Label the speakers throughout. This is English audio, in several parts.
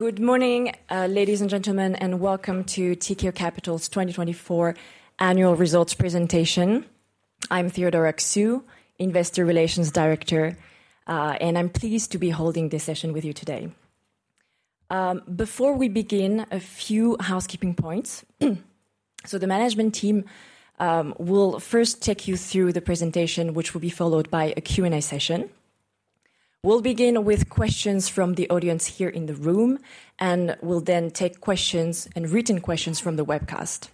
Speaker 1: Good morning, ladies and gentlemen, and welcome to Tikehau Capital's 2024 Annual Results Presentation. I'm Theodora Xu, Investor Relations Director, and I'm pleased to be holding this session with you today. Before we begin, a few housekeeping points. So the management team will first take you through the presentation, which will be followed by a Q&A session. We'll begin with questions from the audience here in the room, and we'll then take questions and written questions from the webcast.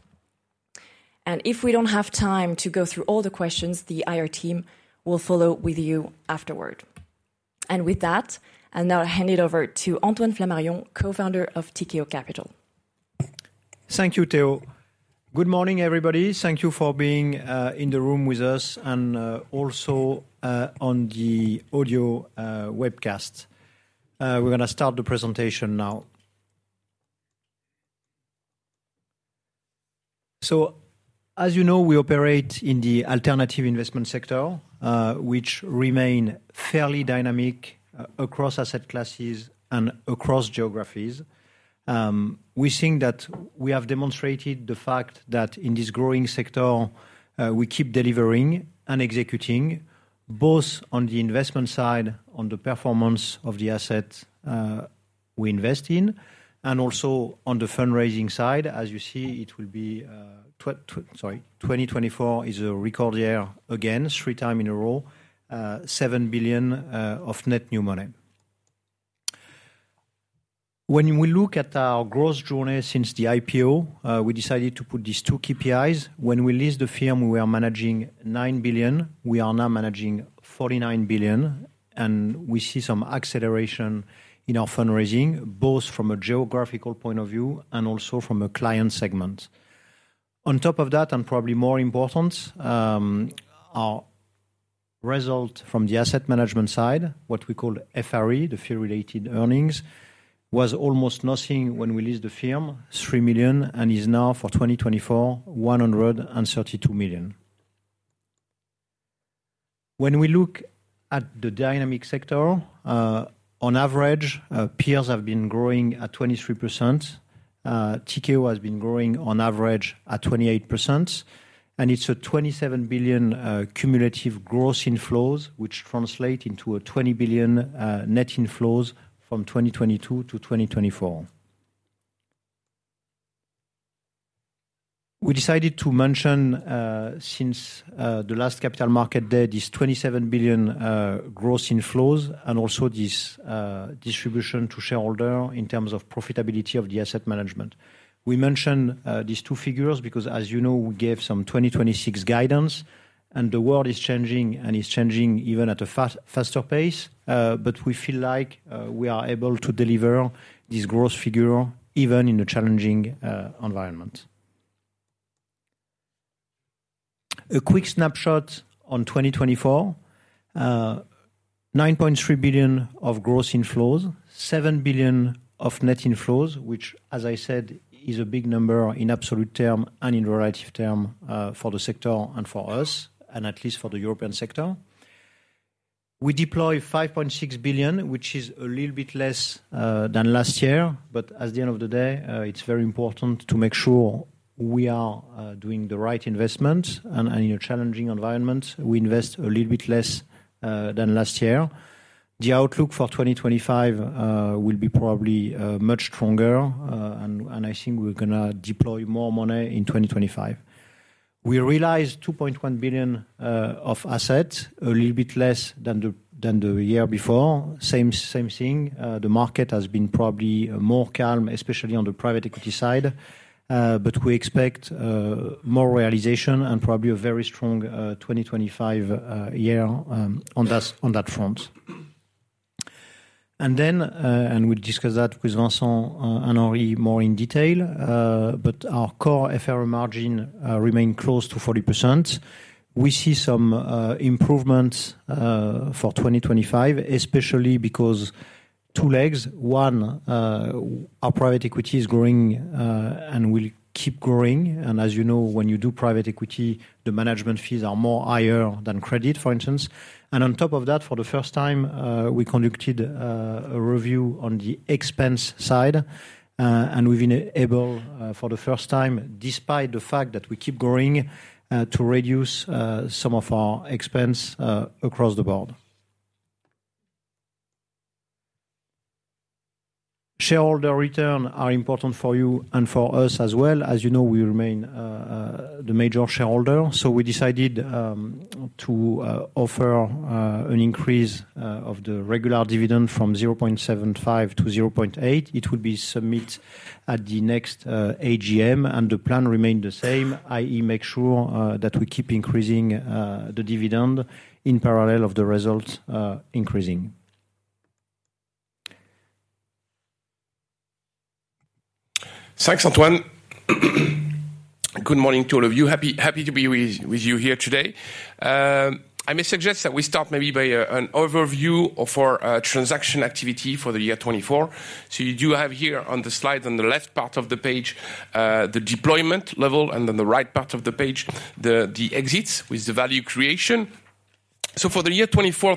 Speaker 1: And if we don't have time to go through all the questions, the IR team will follow with you afterward. And with that, I'll now hand it over to Antoine Flamarion, Co-founder of Tikehau Capital.
Speaker 2: Thank you, Theo. Good morning, everybody. Thank you for being in the room with us and also on the audio webcast. We're going to start the presentation now. So, as you know, we operate in the alternative investment sector, which remains fairly dynamic across asset classes and across geographies. We think that we have demonstrated the fact that in this growing sector, we keep delivering and executing, both on the investment side, on the performance of the assets we invest in, and also on the fundraising side. As you see, it will be, sorry, 2024 is a record year again, three times in a row, 7 billion of net new money. When we look at our growth journey since the IPO, we decided to put these two KPIs. When we list the firm, we were managing 9 billion. We are now managing 49 billion, and we see some acceleration in our fundraising, both from a geographical point of view and also from a client segment. On top of that, and probably more important, our result from the asset management side, what we call FRE, the Fee-Related Earnings, was almost nothing when we listed the firm: 3 million, and is now for 2024, 132 million. When we look at the dynamic sector, on average, peers have been growing at 23%. Tikehau has been growing on average at 28%, and it's 27 billion cumulative gross inflows, which translate into 20 billion net inflows from 2022 to 2024. We decided to mention, since the last capital market day, these 27 billion gross inflows and also this distribution to shareholders in terms of profitability of the asset management. We mentioned these two figures because, as you know, we gave some 2026 guidance, and the world is changing, and it's changing even at a faster pace. But we feel like we are able to deliver this gross figure even in a challenging environment. A quick snapshot on 2024: 9.3 billion of gross inflows, 7 billion of net inflows, which, as I said, is a big number in absolute term and in relative term for the sector and for us, and at least for the European sector. We deploy 5.6 billion, which is a little bit less than last year, but at the end of the day, it's very important to make sure we are doing the right investments. In a challenging environment, we invest a little bit less than last year. The outlook for 2025 will be probably much stronger, and I think we're going to deploy more money in 2025. We realized 2.1 billion of assets, a little bit less than the year before. Same thing, the market has been probably more calm, especially on the private equity side, but we expect more realization and probably a very strong 2025 year on that front. And then we'll discuss that with Vincent and Henri more in detail, but our core FRE margin remained close to 40%. We see some improvements for 2025, especially because two legs: one, our private equity is growing and will keep growing. And as you know, when you do private equity, the management fees are more higher than credit, for instance. On top of that, for the first time, we conducted a review on the expense side, and we've been able, for the first time, despite the fact that we keep growing, to reduce some of our expenses across the board. Shareholder returns are important for you and for us as well. As you know, we remain the major shareholder, so we decided to offer an increase of the regular dividend from 0.75 to 0.8. It will be submitted at the next AGM, and the plan remained the same, i.e., make sure that we keep increasing the dividend in parallel with the results increasing.
Speaker 3: Thanks, Antoine. Good morning to all of you. Happy to be with you here today. I may suggest that we start maybe by an overview of our transaction activity for the year 2024. You do have here on the slide, on the left part of the page, the deployment level, and on the right part of the page, the exits with the value creation. For the year 2024,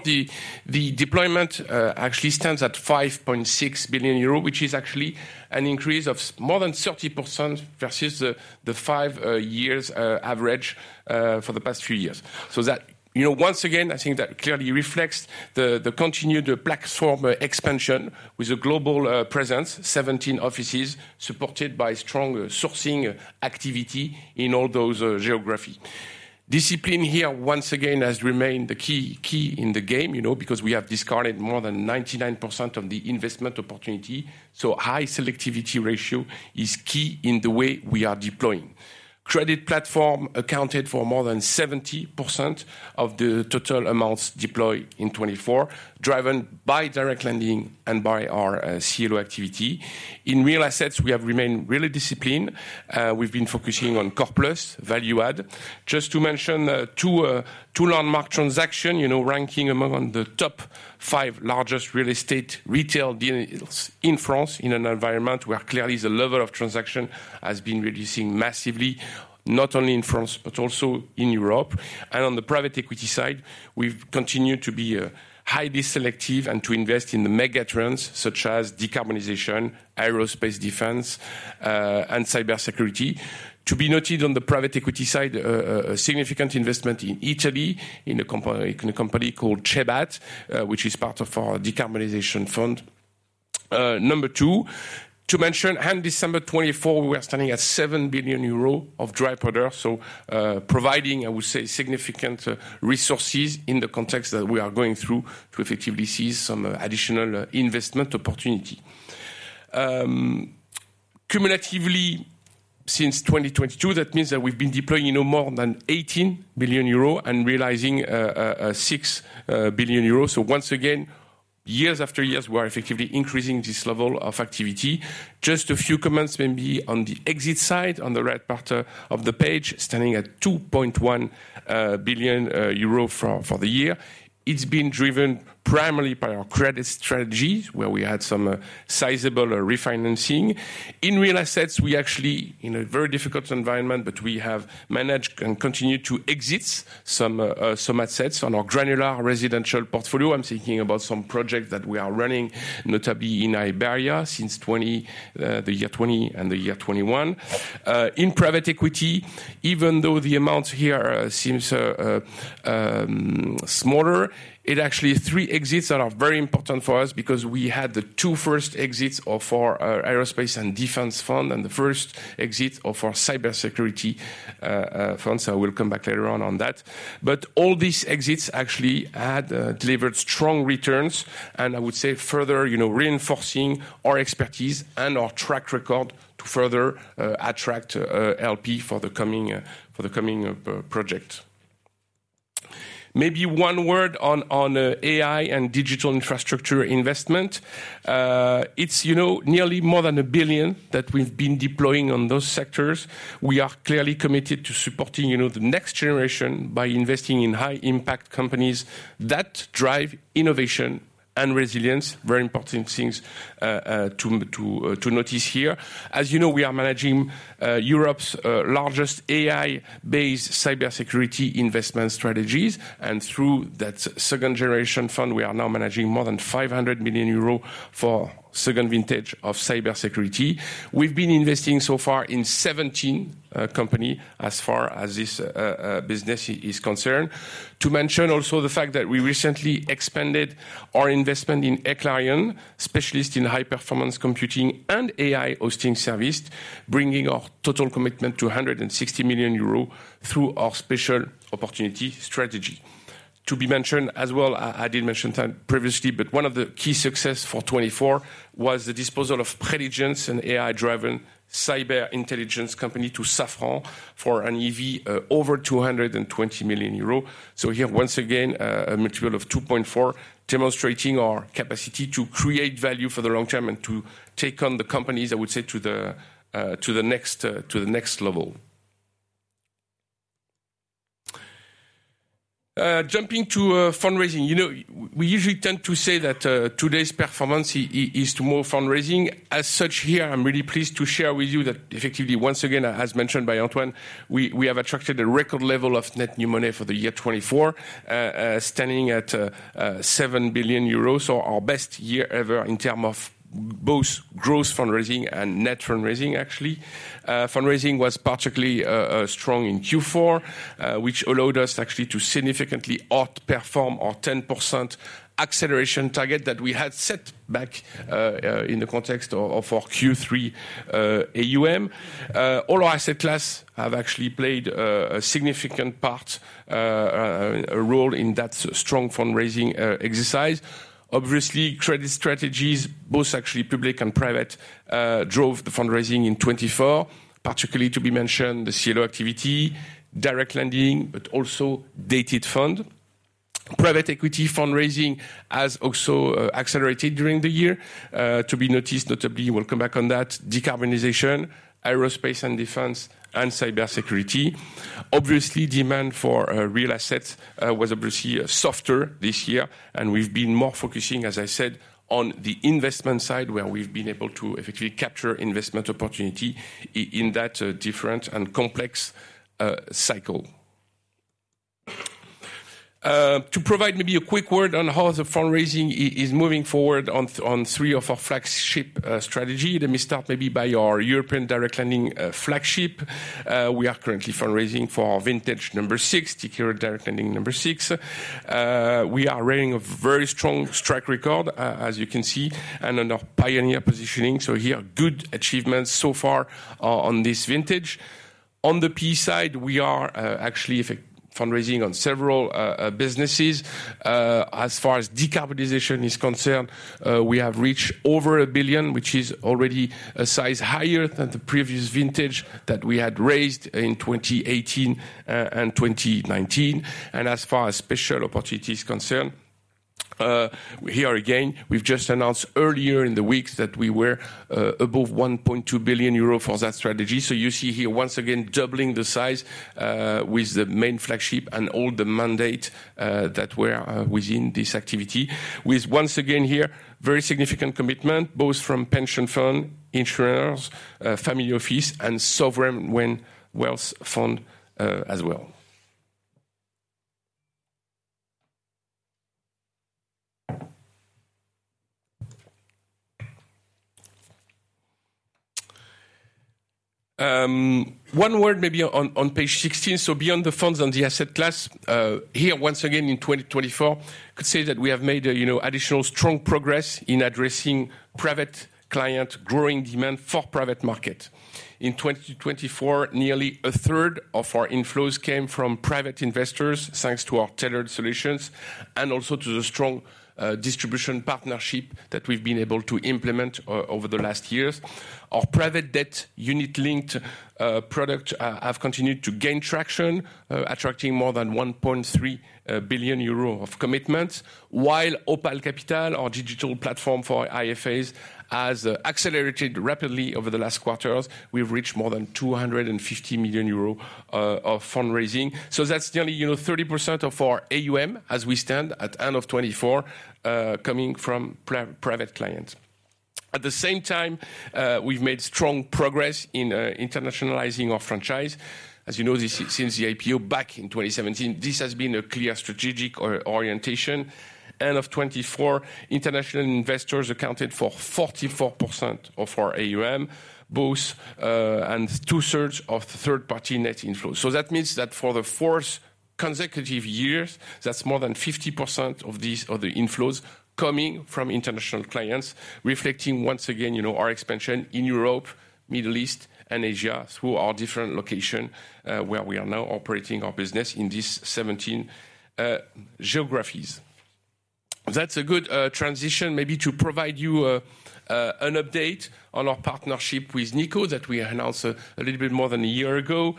Speaker 3: the deployment actually stands at 5.6 billion euros, which is actually an increase of more than 30% versus the five years average for the past few years. That, once again, I think that clearly reflects the continued platform expansion with a global presence, 17 offices supported by strong sourcing activity in all those geographies. Discipline here, once again, has remained the key in the game, you know, because we have discarded more than 99% of the investment opportunity. High selectivity ratio is key in the way we are deploying. Credit platform accounted for more than 70% of the total amounts deployed in 2024, driven by direct lending and by our CLO activity. In real assets, we have remained really disciplined. We've been focusing on Core Plus, Value Add. Just to mention two landmark transactions, you know, ranking among the top five largest real estate retail deals in France in an environment where clearly the level of transaction has been reducing massively, not only in France, but also in Europe. On the private equity side, we've continued to be highly selective and to invest in the mega trends such as decarbonization, Aerospace & Defense, and cybersecurity. To be noted on the private equity side, a significant investment in Italy in a company called CEBAT, which is part of our decarbonization fund. Number two, to mention, end December 2024, we were standing at 7 billion euros of dry powder, so providing, I would say, significant resources in the context that we are going through to effectively seize some additional investment opportunity. Cumulatively, since 2022, that means that we've been deploying no more than 18 billion euro and realizing 6 billion euro. So once again, years after years, we are effectively increasing this level of activity. Just a few comments maybe on the exit side, on the right part of the page, standing at 2.1 billion euro for the year. It's been driven primarily by our credit strategies, where we had some sizable refinancing. In real assets, we actually, in a very difficult environment, but we have managed and continued to exit some assets on our granular residential portfolio. I'm thinking about some projects that we are running, notably in Iberia since the year 2020 and the year 2021. In private equity, even though the amounts here seem smaller, it actually is three exits that are very important for us because we had the two first exits of our Aerospace & Defense fund and the first exit of our cybersecurity fund. I will come back later on that. But all these exits actually had delivered strong returns and I would say further reinforcing our expertise and our track record to further attract LP for the coming project. Maybe one word on AI and digital infrastructure investment. It's nearly more than 1 billion that we've been deploying on those sectors. We are clearly committed to supporting the next generation by investing in high-impact companies that drive innovation and resilience, very important things to notice here. As you know, we are managing Europe's largest AI-based cybersecurity investment strategies, and through that second-generation fund, we are now managing more than 500 million euros for second vintage of cybersecurity. We've been investing so far in 17 companies as far as this business is concerned. To mention also the fact that we recently expanded our investment in Eclairion, specialist in high-performance computing and AI hosting service, bringing our total commitment to 160 million euro through our special opportunity strategy. To be mentioned as well, I did mention that previously, but one of the key successes for 2024 was the disposal of Preligens, an AI-driven cyber intelligence company, to Safran for an EV over 220 million euros. So here, once again, a multiple of 2.4, demonstrating our capacity to create value for the long term and to take on the companies, I would say, to the next level. Jumping to fundraising, you know, we usually tend to say that today's performance is to more fundraising. As such, here, I'm really pleased to share with you that effectively, once again, as mentioned by Antoine, we have attracted a record level of net new money for the year 2024, standing at 7 billion euros, so our best year ever in terms of both gross fundraising and net fundraising, actually. Fundraising was particularly strong in Q4, which allowed us actually to significantly outperform our 10% acceleration target that we had set back in the context of our Q3 AUM. All our asset classes have actually played a significant part, a role in that strong fundraising exercise. Obviously, credit strategies, both actually public and private, drove the fundraising in 2024. Particularly to be mentioned, the CLO activity, direct lending, but also dated fund. Private equity fundraising has also accelerated during the year. To be noticed, notably, we'll come back on that, decarbonization, Aerospace & Defense, and cybersecurity. Obviously, demand for real assets was obviously softer this year, and we've been more focusing, as I said, on the investment side, where we've been able to effectively capture investment opportunity in that different and complex cycle. To provide maybe a quick word on how the fundraising is moving forward on three of our flagship strategies. Let me start maybe by our European direct lending flagship. We are currently fundraising for our vintage number six, Tikehau Direct Lending number six. We are relying on a very strong track record, as you can see, and unique pioneer positioning. So here, good achievements so far on this vintage. On the PE side, we are actually fundraising on several businesses. As far as decarbonization is concerned, we have reached over 1 billion, which is already a size higher than the previous vintage that we had raised in 2018 and 2019, and as far as special opportunities concerned, here again, we've just announced earlier in the week that we were above 1.2 billion euro for that strategy, so you see here, once again, doubling the size with the main flagship and all the mandates that were within this activity. With, once again here, very significant commitment, both from pension fund, insurers, family office, and sovereign wealth fund as well. One word maybe on page 16, so beyond the funds and the asset class, here, once again, in 2024, I could say that we have made additional strong progress in addressing private client growing demand for private market. In 2024, nearly 1/3 of our inflows came from private investors thanks to our tailored solutions and also to the strong distribution partnership that we've been able to implement over the last years. Our private debt unit-linked products have continued to gain traction, attracting more than 1.3 billion euro of commitments, while Opale Capital, our digital platform for IFAs, has accelerated rapidly over the last quarters. We've reached more than 250 million euros of fundraising. So that's nearly 30% of our AUM as we stand at the end of 2024, coming from private clients. At the same time, we've made strong progress in internationalizing our franchise. As you know, since the IPO back in 2017, this has been a clear strategic orientation. End of 2024, international investors accounted for 44% of our AUM, about 2/3 of third-party net inflows. So that means that for the fourth consecutive years, that's more than 50% of these other inflows coming from international clients, reflecting once again our expansion in Europe, the Middle East, and Asia through our different locations where we are now operating our business in these 17 geographies. That's a good transition maybe to provide you an update on our partnership with Nikko that we announced a little bit more than a year ago.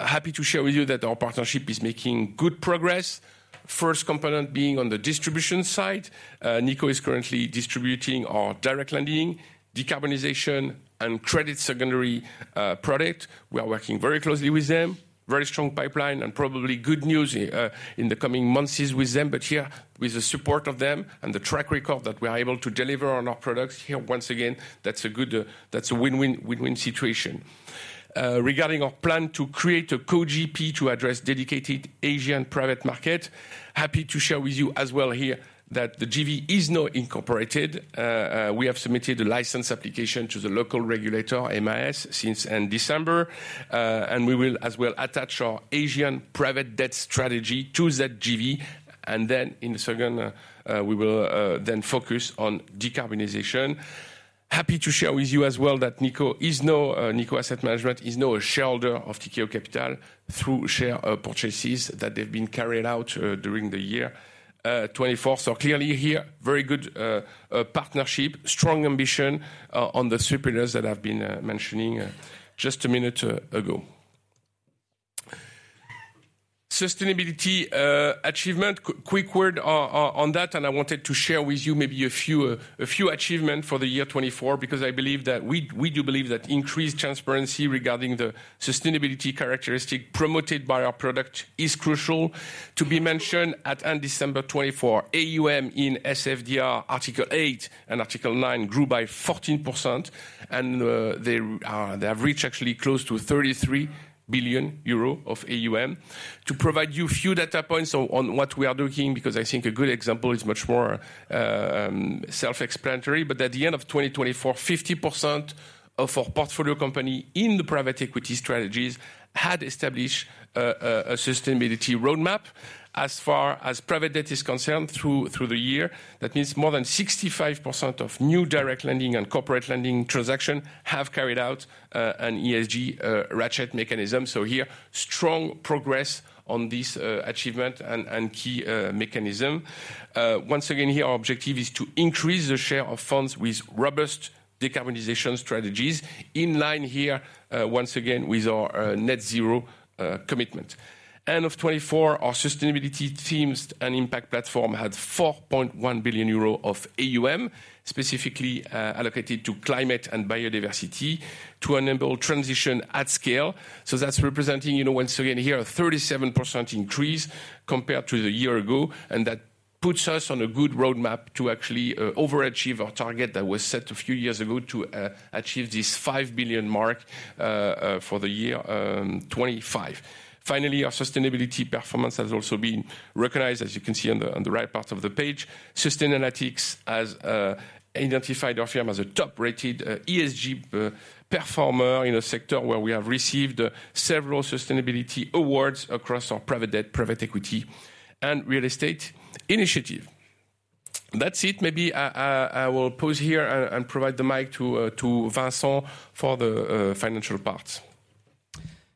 Speaker 3: Happy to share with you that our partnership is making good progress. First component being on the distribution side. Nikko is currently distributing our direct lending, decarbonization, and credit secondary product. We are working very closely with them, very strong pipeline, and probably good news in the coming months is with them. But here, with the support of them and the track record that we are able to deliver on our products, here once again, that's a win-win situation. Regarding our plan to create a co-GP to address dedicated Asian private markets, happy to share with you as well here that the JV is not incorporated. We have submitted a license application to the local regulator, MAS, since end December, and we will as well attach our Asian private debt strategy to that JV. And then in the second, we will then focus on decarbonization. Happy to share with you as well that Nikko Asset Management is now a shareholder of Tikehau Capital through share purchases that they've been carrying out during the year 2024. So clearly here, very good partnership, strong ambition on the setup that I've been mentioning just a minute ago. Sustainability achievement, a quick word on that, and I wanted to share with you maybe a few achievements for the year 2024 because I believe that we do believe that increased transparency regarding the sustainability characteristic promoted by our product is crucial. To be mentioned, at end December 2024, AUM in SFDR, Article 8 and Article 9 grew by 14%, and they have reached actually close to 33 billion euro of AUM. To provide you a few data points on what we are doing, because I think a good example is much more self-explanatory, but at the end of 2024, 50% of our portfolio company in the private equity strategies had established a sustainability roadmap. As far as private debt is concerned through the year, that means more than 65% of new direct lending and corporate lending transactions have carried out an ESG ratchet mechanism. So here, strong progress on this achievement and key mechanism. Once again, here, our objective is to increase the share of funds with robust decarbonization strategies in line here, once again, with our net zero commitment. End of 2024, our sustainability themed and impact platform had 4.1 billion euro of AUM specifically allocated to climate and biodiversity to enable transition at scale. So that's representing, once again, here a 37% increase compared to the year ago, and that puts us on a good roadmap to actually overachieve our target that was set a few years ago to achieve this 5 billion mark for the year 2025. Finally, our sustainability performance has also been recognized, as you can see on the right part of the page. Sustainalytics has identified our firm as a top-rated ESG performer in a sector where we have received several sustainability awards across our private debt, private equity, and real estate initiative. That's it. Maybe I will pause here and provide the mic to Vincent for the financial parts.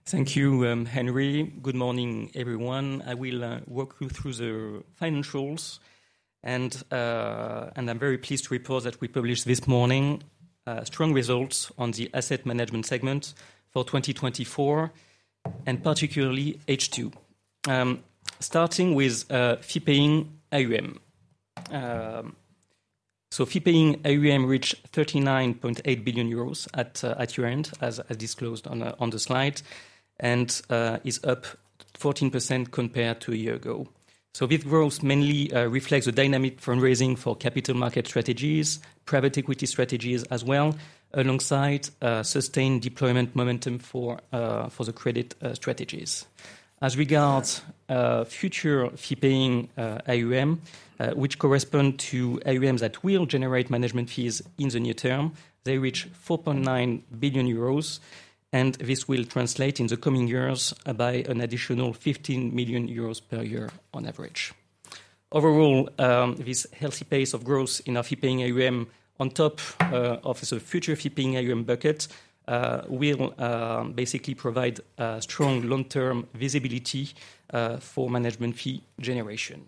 Speaker 4: Thank you, Henri. Good morning, everyone. I will walk you through the financials, and I'm very pleased to report that we published this morning strong results on the asset management segment for 2024, and particularly H2. Starting with fee-paying AUM. So fee-paying AUM reached 39.8 billion euros at year-end, as disclosed on the slide, and is up 14% compared to a year ago. So this growth mainly reflects the dynamic fundraising for capital market strategies, private equity strategies as well, alongside sustained deployment momentum for the credit strategies. As regards future fee-paying AUM, which correspond to AUMs that will generate management fees in the near term, they reach 4.9 billion euros, and this will translate in the coming years by an additional 15 million euros per year on average. Overall, this healthy pace of growth in our fee-paying AUM, on top of the future fee-paying AUM bucket, will basically provide strong long-term visibility for management fee generation.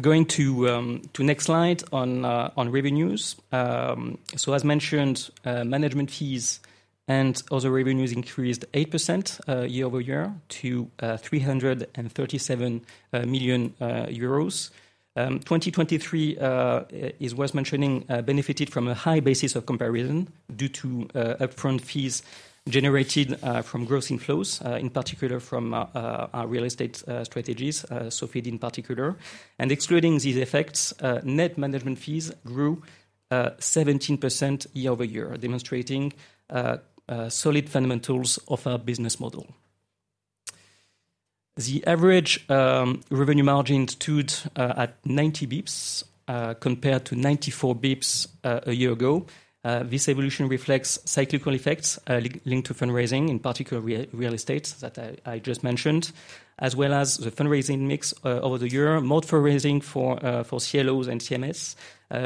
Speaker 4: Going to the next slide on revenues. So, as mentioned, management fees and other revenues increased 8% year over year to 337 million euros. 2023, as was mentioned, benefited from a high basis of comparison due to upfront fees generated from gross inflows, in particular from our real estate strategies, so we did in particular, and excluding these effects, net management fees grew 17% year over year, demonstrating solid fundamentals of our business model. The average revenue margin stood at 90 basis points compared to 94 basis points a year ago. This evolution reflects cyclical effects linked to fundraising, in particular real estate that I just mentioned, as well as the fundraising mix over the year, more fundraising for CLOs and CMS,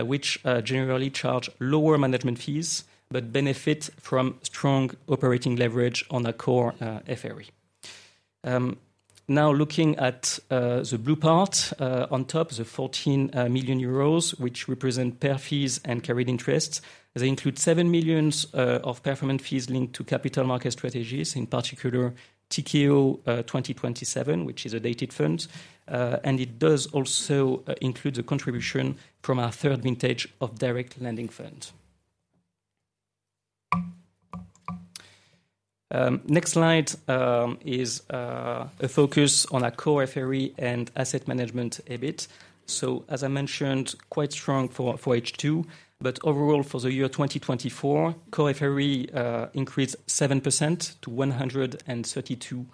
Speaker 4: which generally charge lower management fees but benefit from strong operating leverage on a core FRE. Now, looking at the blue part on top, the 14 million euros, which represent perf fees and carried interest, they include 7 million of performance fees linked to capital market strategies, in particular Tikehau 2027, which is a dated fund, and it does also include the contribution from our third vintage of direct lending fund. Next slide is a focus on our core FRE and asset management EBIT. As I mentioned, quite strong for H2, but overall for the year 2024, core FRE increased 7% to 132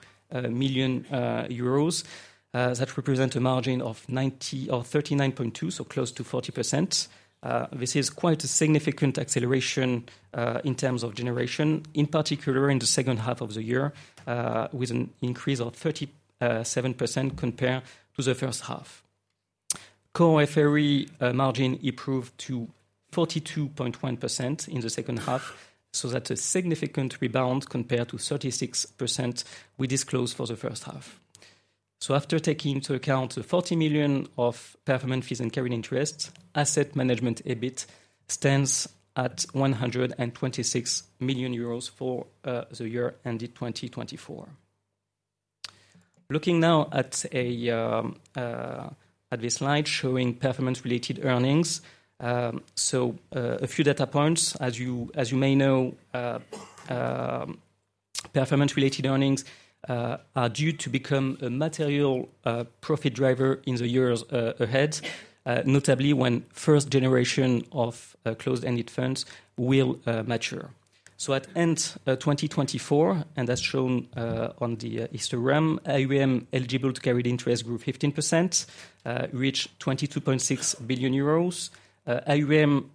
Speaker 4: million euros. That represents a margin of 39.2%, so close to 40%. This is quite a significant acceleration in terms of generation, in particular in the second half of the year, with an increase of 37% compared to the first half. Core FRE margin improved to 42.1% in the second half, so that's a significant rebound compared to 36% we disclosed for the first half. After taking into account the 40 million of performance fees and carried interest, asset management EBIT stands at 126 million euros for the year ended 2024. Looking now at this slide showing performance-related earnings. A few data points, as you may know, performance-related earnings are due to become a material profit driver in the years ahead, notably when first generation of closed-ended funds will mature. At end 2024, and as shown on the histogram, AUM eligible to carried interest grew 15% and reached 22.6 billion euros. AUM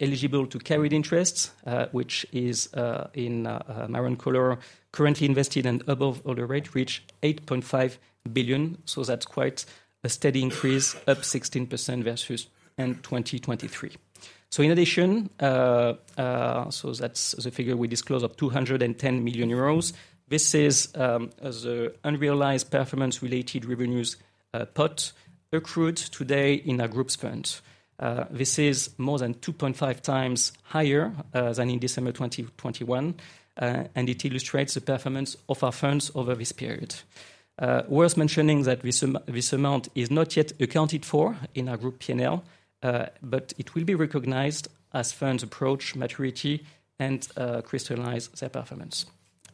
Speaker 4: eligible to carried interest, which is in maroon color, currently invested and above hurdle rate, reached 8.5 billion. That's quite a steady increase, up 16% versus end 2023. In addition, that's the figure we disclosed of 210 million euros. This is the unrealized performance-related revenues pot accrued today in our group's fund. This is more than 2.5x higher than in December 2021, and it illustrates the performance of our funds over this period. Worth mentioning that this amount is not yet accounted for in our group P&L, but it will be recognized as funds approach maturity and crystallize their performance.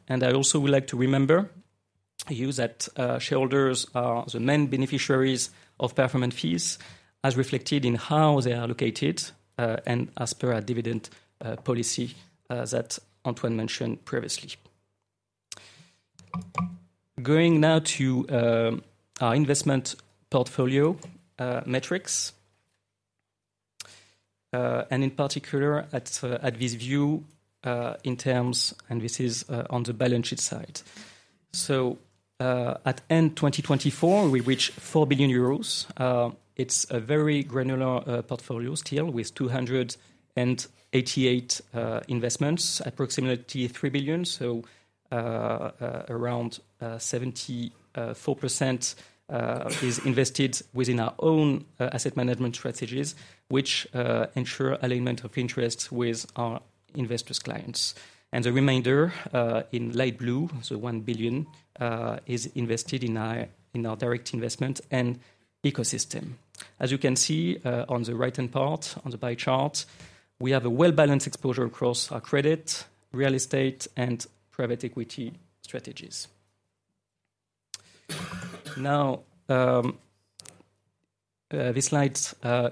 Speaker 4: I also would like to remind you that shareholders are the main beneficiaries of performance fees, as reflected in how they are allocated and as per our dividend policy that Antoine mentioned previously. Going now to our investment portfolio metrics, and in particular this view in terms, and this is on the balance sheet side. At year-end 2024, we reached 4 billion euros. It's a very granular portfolio still with 288 investments, approximately 3 billion, so around 74% is invested within our own asset management strategies, which ensure alignment of interests with our investors and clients. The remainder in light blue, so 1 billion, is invested in our direct investment and ecosystem. As you can see on the right-hand part, on the pie chart, we have a well-balanced exposure across our credit, real estate, and private equity strategies. Now, this slide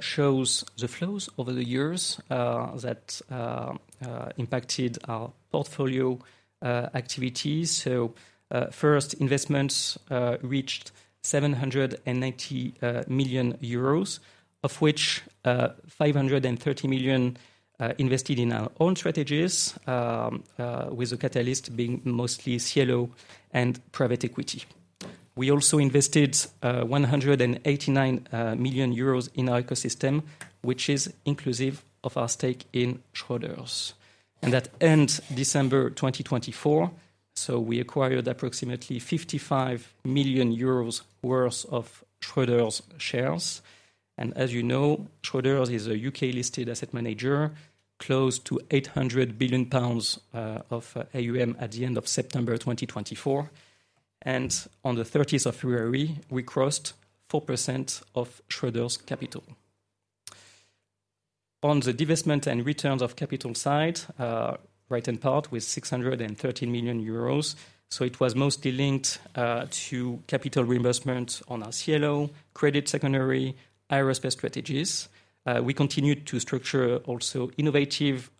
Speaker 4: shows the flows over the years that impacted our portfolio activities. First, investments reached 790 million euros, of which 530 million invested in our own strategies, with the catalyst being mostly CLO and private equity. We also invested 189 million euros in our ecosystem, which is inclusive of our stake in Schroders, and at end December 2024, we acquired approximately 55 million euros worth of Schroders shares. As you know, Schroders is a U.K.-listed asset manager, close to 800 billion pounds of AUM at the end of September 2024, and on the 30th of February, we crossed 4% of Schroders' capital. On the divestment and returns of capital side, right-hand part with 613 million euros. So, it was mostly linked to capital reimbursement on our CLO, credit secondary, residual strategies. We continued to structure also innovative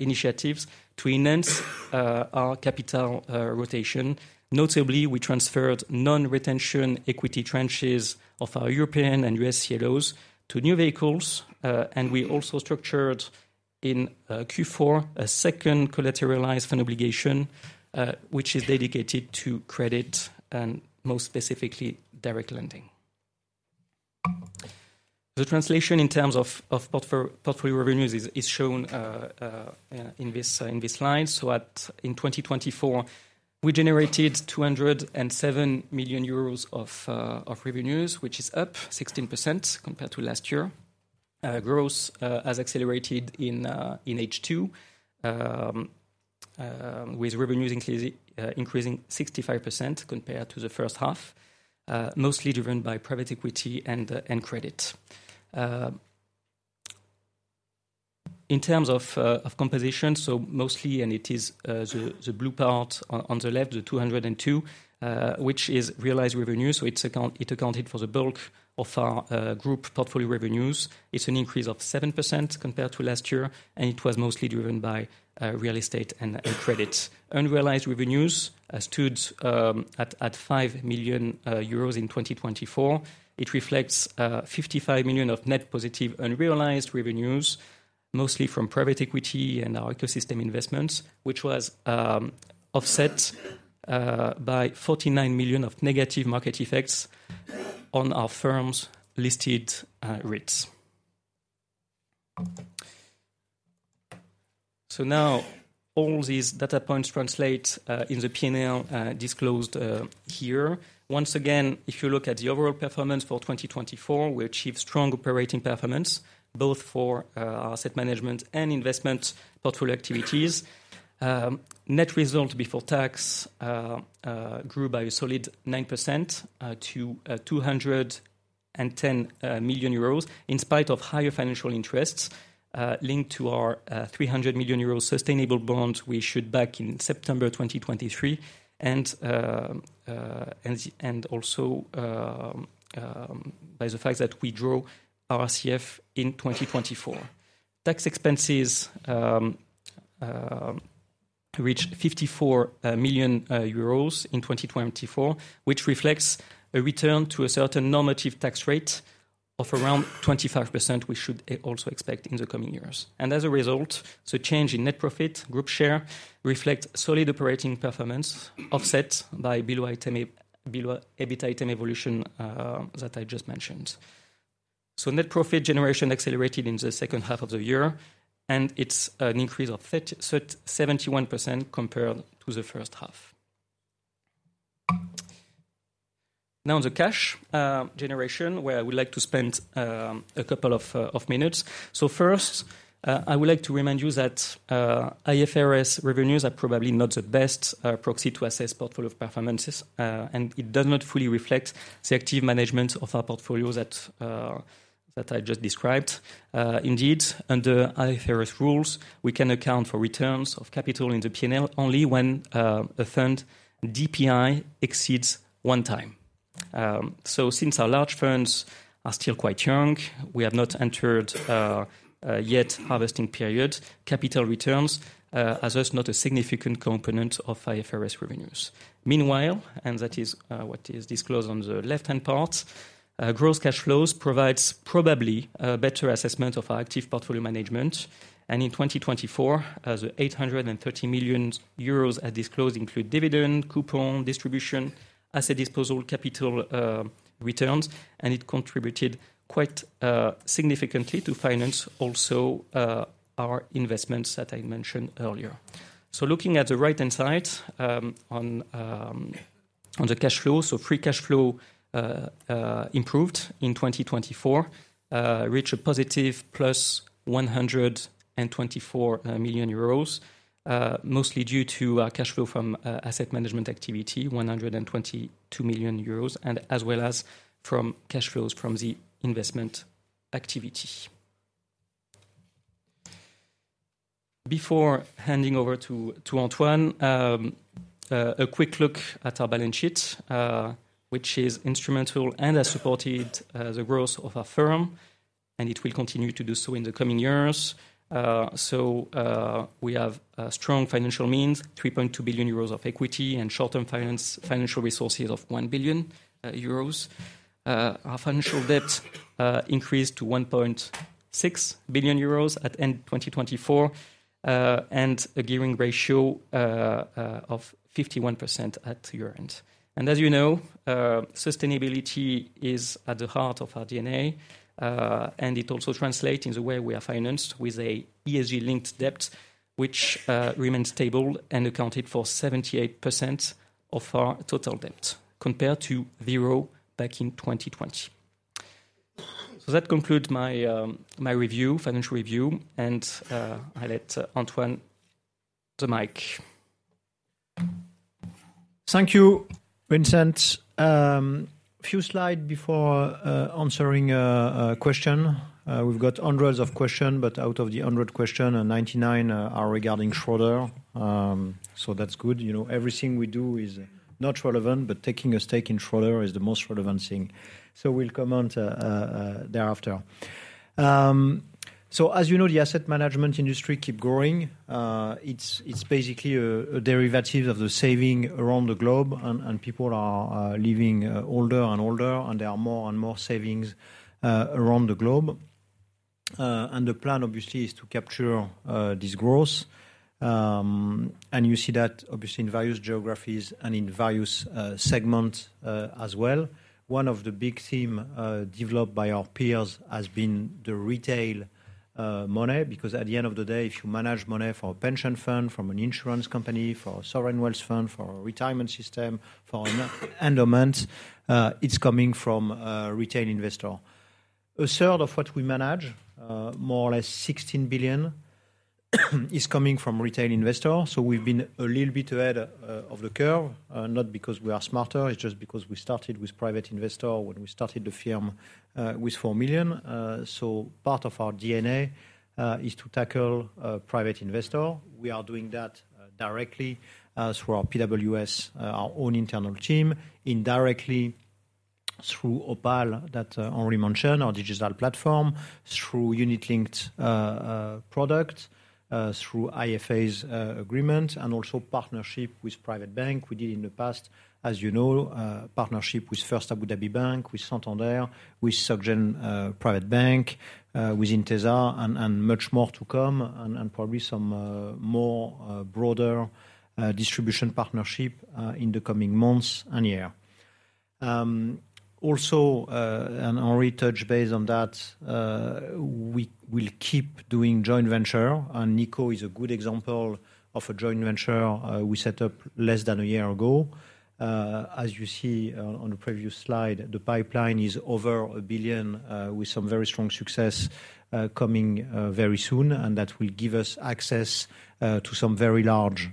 Speaker 4: initiatives to enhance our capital rotation. Notably, we transferred non-retention equity tranches of our European and U.S. CLOs to new vehicles, and we also structured in Q4 a second collateralized fund obligation, which is dedicated to credit and most specifically direct lending. The translation in terms of portfolio revenues is shown in this line. So, in 2024, we generated 207 million euros of revenues, which is up 16% compared to last year. Growth has accelerated in H2, with revenues increasing 65% compared to the first half, mostly driven by private equity and credit. In terms of composition, so mostly, and it is the blue part on the left, the 202, which is realized revenue. So, it accounted for the bulk of our group portfolio revenues. It's an increase of 7% compared to last year, and it was mostly driven by real estate and credit. Unrealized revenues stood at 5 million euros in 2024. It reflects 55 million of net positive unrealized revenues, mostly from private equity and our ecosystem investments, which was offset by 49 million of negative market effects on our firm's listed REITs. Now, all these data points translate in the P&L disclosed here. Once again, if you look at the overall performance for 2024, we achieved strong operating performance, both for our asset management and investment portfolio activities. Net result before tax grew by a solid 9% to 210 million euros, in spite of higher financial interests linked to our 300 million euros sustainable bond we issued back in September 2023, and also by the fact that we drove our RCF in 2024. Tax expenses reached 54 million euros in 2024, which reflects a return to a certain normative tax rate of around 25%, which we should also expect in the coming years. And as a result, the change in net profit group share reflects solid operating performance offset by EBITDA item evolution that I just mentioned. So, net profit generation accelerated in the second half of the year, and it's an increase of 71% compared to the first half. Now, the cash generation, where I would like to spend a couple of minutes. So first, I would like to remind you that IFRS revenues are probably not the best proxy to assess portfolio performances, and it does not fully reflect the active management of our portfolios that I just described. Indeed, under IFRS rules, we can account for returns of capital in the P&L only when a fund DPI exceeds one time. So, since our large funds are still quite young, we have not entered yet harvesting period. Capital returns are thus not a significant component of IFRS revenues. Meanwhile, and that is what is disclosed on the left-hand part, gross cash flows provide probably a better assessment of our active portfolio management. And in 2024, the 830 million euros as disclosed include dividend, coupon, distribution, asset disposal capital returns, and it contributed quite significantly to finance also our investments that I mentioned earlier. So, looking at the right-hand side on the cash flow, so free cash flow improved in 2024, reached a positive plus 124 million euros, mostly due to our cash flow from asset management activity, 122 million euros, and as well as from cash flows from the investment activity. Before handing over to Antoine, a quick look at our balance sheet, which is instrumental and has supported the growth of our firm, and it will continue to do so in the coming years. We have strong financial means, 3.2 billion euros of equity and short-term financial resources of 1 billion euros. Our financial debt increased to 1.6 billion euros at end 2024, and a gearing ratio of 51% at year-end. As you know, sustainability is at the heart of our DNA, and it also translates in the way we are financed with an ESG-linked debt, which remains stable and accounted for 78% of our total debt compared to zero back in 2020. That concludes my financial review, and I'll let Antoine have the mic.
Speaker 2: Thank you, Vincent. A few slides before answering a question. We've got hundreds of questions, but out of the hundred questions, 99 are regarding Schroders. So, that's good. Everything we do is not relevant, but taking a stake in Schroders is the most relevant thing. So, we'll comment thereafter. So, as you know, the asset management industry keeps growing. It's basically a derivative of the savings around the globe, and people are living older and older, and there are more and more savings around the globe. And the plan, obviously, is to capture this growth. And you see that, obviously, in various geographies and in various segments as well. One of the big themes developed by our peers has been the retail money, because at the end of the day, if you manage money for a pension fund, from an insurance company, for a sovereign wealth fund, for a retirement system, for an endowment, it's coming from a retail investor. A third of what we manage, more or less 16 billion, is coming from retail investors. So, we've been a little bit ahead of the curve, not because we are smarter, it's just because we started with private investors when we started the firm with 4 million. So, part of our DNA is to tackle private investors. We are doing that directly through our PWS, our own internal team, indirectly through Opale that Henri mentioned, our digital platform, through unit-linked products, through IFAs agreement, and also partnership with private banks. We did in the past, as you know, partnership with First Abu Dhabi Bank, with Santander, with Société Générale Private Banking, with Intesa, and much more to come, and probably some more broader distribution partnership in the coming months and year. Also, and Henri touched base on that, we will keep doing joint ventures, and Nikko is a good example of a joint venture we set up less than a year ago. As you see on the previous slide, the pipeline is over a billion, with some very strong success coming very soon, and that will give us access to some very large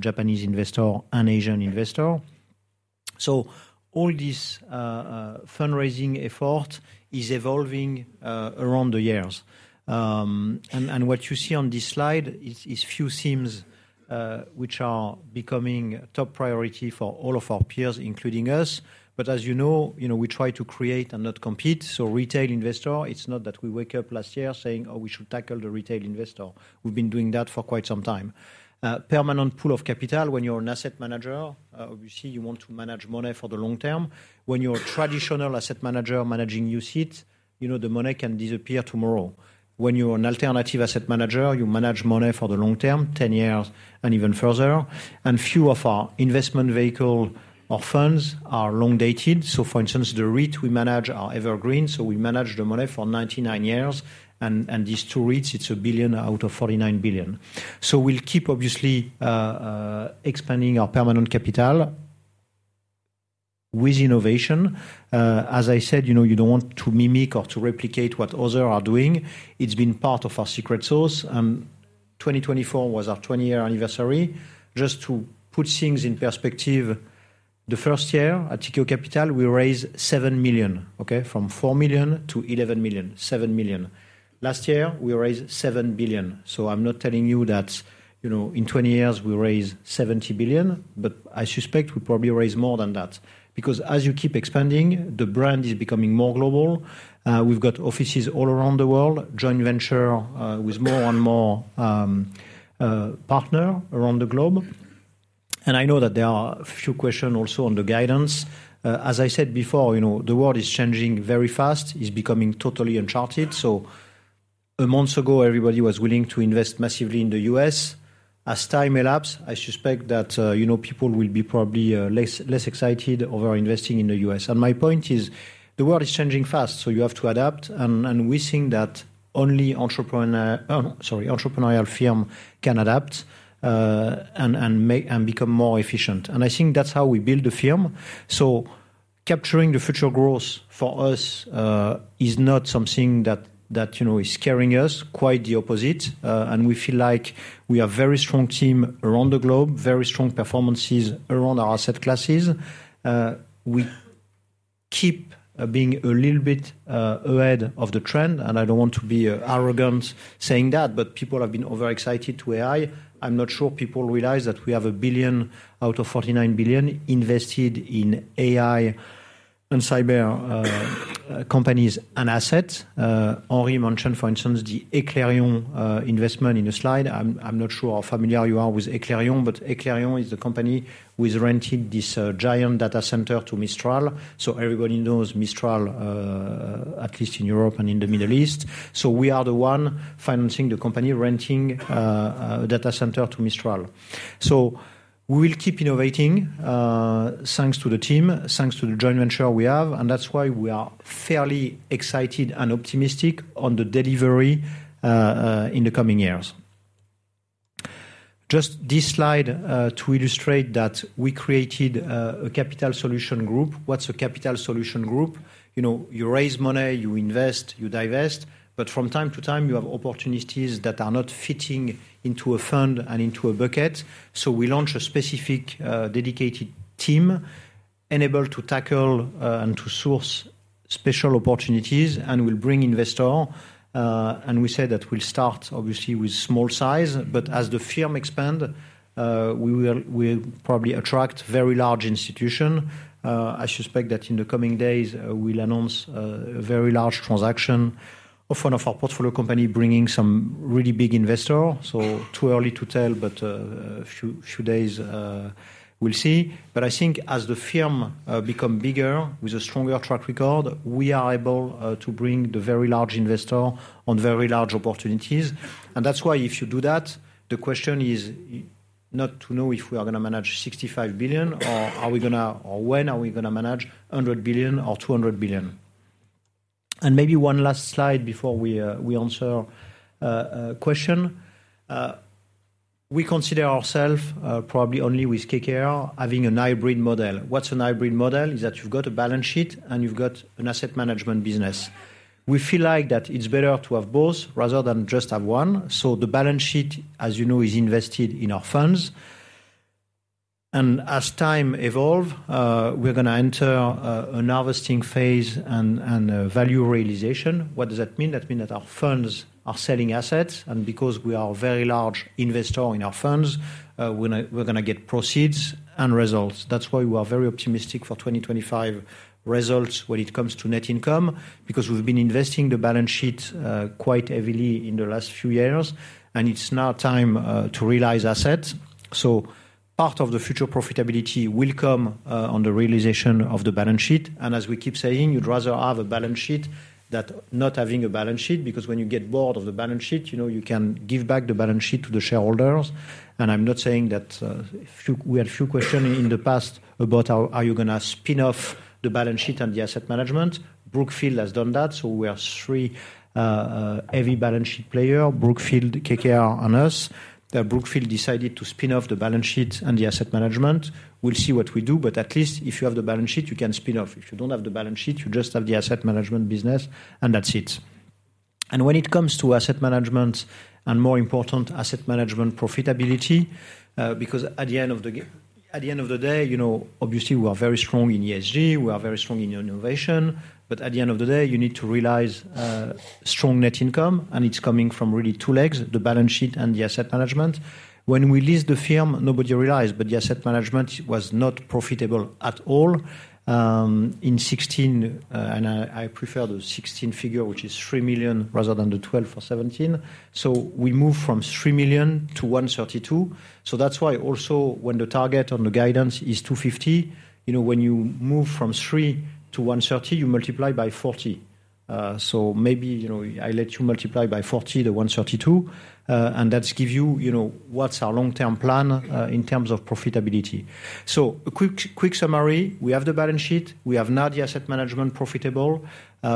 Speaker 2: Japanese investors and Asian investors. So, all this fundraising effort is evolving around the years. And what you see on this slide is a few themes which are becoming top priority for all of our peers, including us. But as you know, we try to create and not compete. So, retail investors, it's not that we wake up last year saying, "Oh, we should tackle the retail investors." We've been doing that for quite some time. Permanent pool of capital. When you're an asset manager, obviously, you want to manage money for the long term. When you're a traditional asset manager managing UCITS, the money can disappear tomorrow. When you're an alternative asset manager, you manage money for the long term, 10 years and even further, and few of our investment vehicles or funds are long-dated, so for instance, the REIT we manage are evergreen. So, we manage the money for 99 years, and these two REITs, it's 1 billion out of 49 billion. So, we'll keep, obviously, expanding our permanent capital with innovation. As I said, you don't want to mimic or to replicate what others are doing. It's been part of our secret sauce, and 2024 was our 20-year anniversary. Just to put things in perspective, the first year at Tikehau Capital, we raised 7 million, from 4 million to 11 million, 7 million. Last year, we raised 7 billion, so I'm not telling you that in 20 years we raised 70 billion, but I suspect we probably raised more than that. Because as you keep expanding, the brand is becoming more global. We've got offices all around the world, joint ventures with more and more partners around the globe. I know that there are a few questions also on the guidance. As I said before, the world is changing very fast. It's becoming totally uncharted, so a month ago, everybody was willing to invest massively in the U.S. As time elapsed, I suspect that people will be probably less excited over investing in the U.S. My point is, the world is changing fast, so you have to adapt. We think that only entrepreneurial firms can adapt and become more efficient, and I think that's how we build the firm. Capturing the future growth for us is not something that is scaring us, quite the opposite. And we feel like we have a very strong team around the globe, very strong performances around our asset classes. We keep being a little bit ahead of the trend, and I don't want to be arrogant saying that, but people have been overexcited to AI. I'm not sure people realize that we have 1 billion out of 49 billion invested in AI and cyber companies and assets. Henri mentioned, for instance, the Eclairion investment in a slide. I'm not sure how familiar you are with Eclairion, but Eclairion is the company who has rented this giant data center to Mistral. So, everybody knows Mistral, at least in Europe and in the Middle East. So, we are the ones financing the company, renting a data center to Mistral. We will keep innovating, thanks to the team, thanks to the joint venture we have. That's why we are fairly excited and optimistic on the delivery in the coming years. Just this slide to illustrate that we created a Capital Solutions Group. What's a Capital Solutions Group? You raise money, you invest, you divest. From time to time, you have opportunities that are not fitting into a fund and into a bucket. We launch a specific dedicated team enabled to tackle and to source special opportunities, and we'll bring investors. We said that we'll start, obviously, with small size. As the firm expands, we will probably attract very large institutions. I suspect that in the coming days, we'll announce a very large transaction of one of our portfolio companies bringing some really big investors. So, too early to tell, but a few days, we'll see. But I think as the firm becomes bigger with a stronger track record, we are able to bring the very large investors on very large opportunities. And that's why if you do that, the question is not to know if we are going to manage 65 billion or when are we going to manage 100 billion or 200 billion. And maybe one last slide before we answer a question. We consider ourselves probably only with KKR having a hybrid model. What's a hybrid model? It's that you've got a balance sheet and you've got an asset management business. We feel like it's better to have both rather than just have one. So, the balance sheet, as you know, is invested in our funds. And as time evolves, we're going to enter a harvesting phase and value realization. What does that mean? That means that our funds are selling assets. And because we are a very large investor in our funds, we're going to get proceeds and results. That's why we are very optimistic for 2025 results when it comes to net income, because we've been investing the balance sheet quite heavily in the last few years, and it's now time to realize assets. So, part of the future profitability will come on the realization of the balance sheet. And as we keep saying, you'd rather have a balance sheet than not having a balance sheet, because when you get bored of the balance sheet, you can give back the balance sheet to the shareholders. And I'm not saying that we had a few questions in the past about how are you going to spin off the balance sheet and the asset management. Brookfield has done that. So, we are three heavy balance sheet players, Brookfield, KKR, and us. Brookfield decided to spin off the balance sheet and the asset management. We'll see what we do, but at least if you have the balance sheet, you can spin off. If you don't have the balance sheet, you just have the asset management business, and that's it. And when it comes to asset management and more important asset management profitability, because at the end of the day, obviously, we are very strong in ESG, we are very strong in innovation, but at the end of the day, you need to realize strong net income, and it's coming from really two legs, the balance sheet and the asset management. When we launched the firm, nobody realized, but the asset management was not profitable at all in 2016, and I prefer the 2016 figure, which is 3 million rather than the 12 for 2017. So, we moved from 3 million to 132 million. So, that's why also when the target on the guidance is 250 million, when you move from 3 million to 130 million, you multiply by 40. So, maybe I let you multiply by 40 the 132 million, and that gives you what's our long-term plan in terms of profitability. So, a quick summary. We have the balance sheet. We have now the asset management profitable.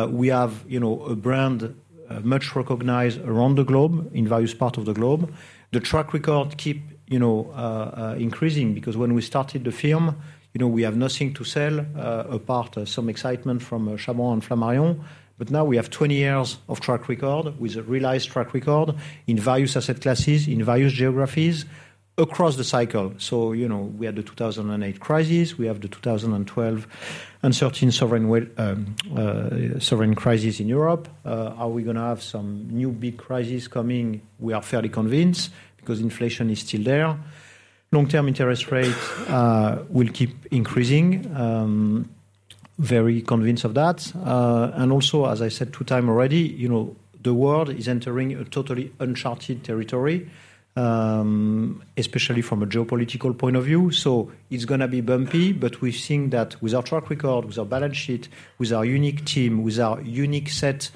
Speaker 2: We have a brand much recognized around the globe, in various parts of the globe. The track record keeps increasing because when we started the firm, we have nothing to sell apart from some excitement from Chabran and Flamarion. But now we have 20 years of track record with a realized track record in various asset classes, in various geographies across the cycle. So, we had the 2008 crisis. We have the 2012 uncertain sovereign crisis in Europe. Are we going to have some new big crises coming? We are fairly convinced because inflation is still there. Long-term interest rates will keep increasing. Very convinced of that. And also, as I said two times already, the world is entering a totally uncharted territory, especially from a geopolitical point of view. So, it's going to be bumpy, but we think that with our track record, with our balance sheet, with our unique team, with our unique set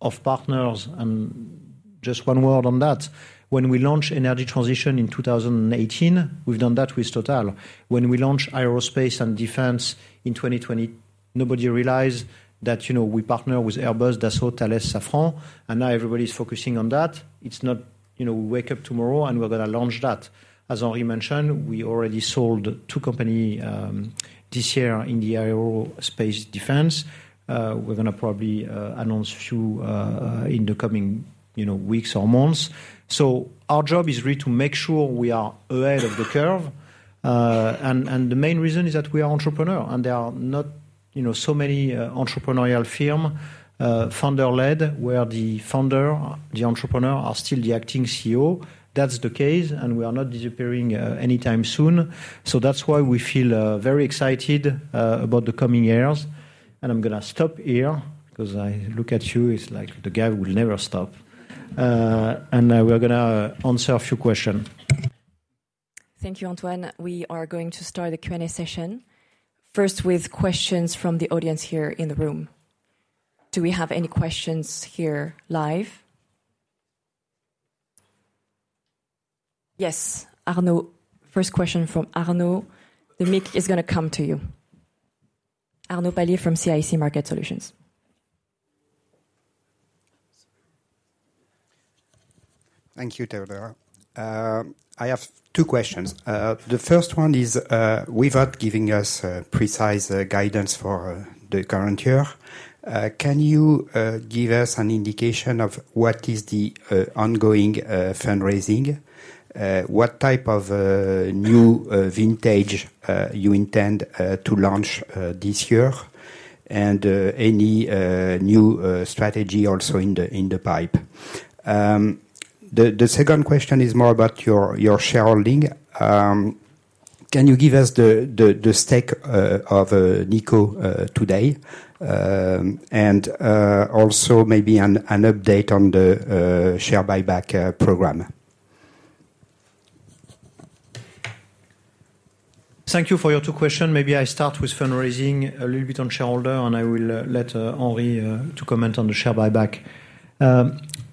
Speaker 2: of partners, and just one word on that, when we launch energy transition in 2018, we've done that with Total. When we launch Aerospace & Defense in 2020, nobody realized that we partner with Airbus, Dassault, Thales, Safran, and now everybody's focusing on that. It's not we wake up tomorrow and we're going to launch that. As Henri mentioned, we already sold two companies this year in the Aerospace & Defense. We're going to probably announce a few in the coming weeks or months, so our job is really to make sure we are ahead of the curve, and the main reason is that we are entrepreneurs, and there are not so many entrepreneurial firms founder-led where the founder, the entrepreneur, are still the acting CEO. That's the case, and we are not disappearing anytime soon, so that's why we feel very excited about the coming years, and I'm going to stop here because I look at you, it's like the guy will never stop. We're going to answer a few questions.
Speaker 1: Thank you, Antoine. We are going to start the Q&A session first with questions from the audience here in the room. Do we have any questions here live? Yes, Arnaud. First question from Arnaud. The mic is going to come to you. Arnaud Palliez from CIC Market Solutions.
Speaker 5: Thank you, Theodora. I have two questions. The first one is, without giving us precise guidance for the current year, can you give us an indication of what is the ongoing fundraising? What type of new vintage you intend to launch this year? And any new strategy also in the pipeline? The second question is more about your shareholding. Can you give us the stake of Nikko today? And also maybe an update on the share buyback program?
Speaker 2: Thank you for your two questions. Maybe I start with fundraising a little bit on shareholder, and I will let Henri to comment on the share buyback.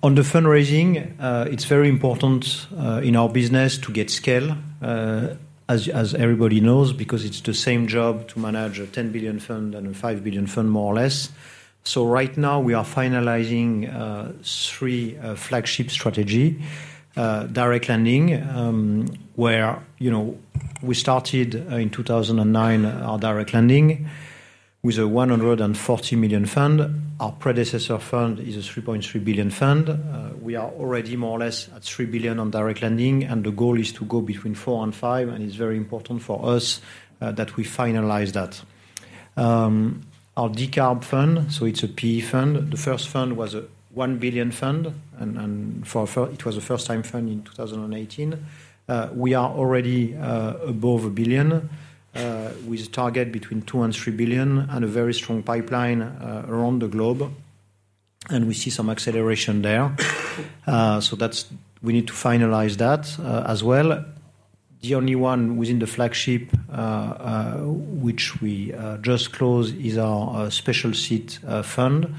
Speaker 2: On the fundraising, it's very important in our business to get scale, as everybody knows, because it's the same job to manage a 10 billion fund and a 5 billion fund, more or less. So, right now, we are finalizing three flagship strategies, direct lending, where we started in 2009 our direct lending with a 140 million fund. Our predecessor fund is a 3.3 billion fund. We are already more or less at 3 billion on direct lending, and the goal is to go between 4 billion and 5 billion, and it's very important for us that we finalize that. Our decarb fund, so it's a PE fund. The first fund was a 1 billion fund, and it was a first-time fund in 2018. We are already above a billion with a target between two and three billion and a very strong pipeline around the globe. And we see some acceleration there. So, we need to finalize that as well. The only one within the flagship, which we just closed, is our special situations fund.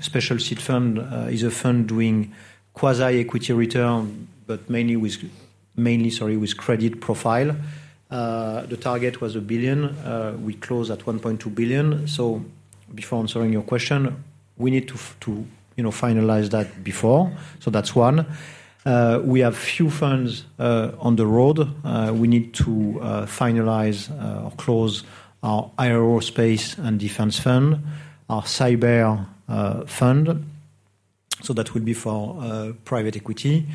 Speaker 2: Special situations fund is a fund doing quasi-equity return, but mainly with credit profile. The target was 1 billion. We closed at 1.2 billion. So, before answering your question, we need to finalize that before. So, that's one. We have a few funds on the road. We need to finalize or close our Aerospace & Defense Fund, our Cybersecurity Fund. So, that would be for private equity.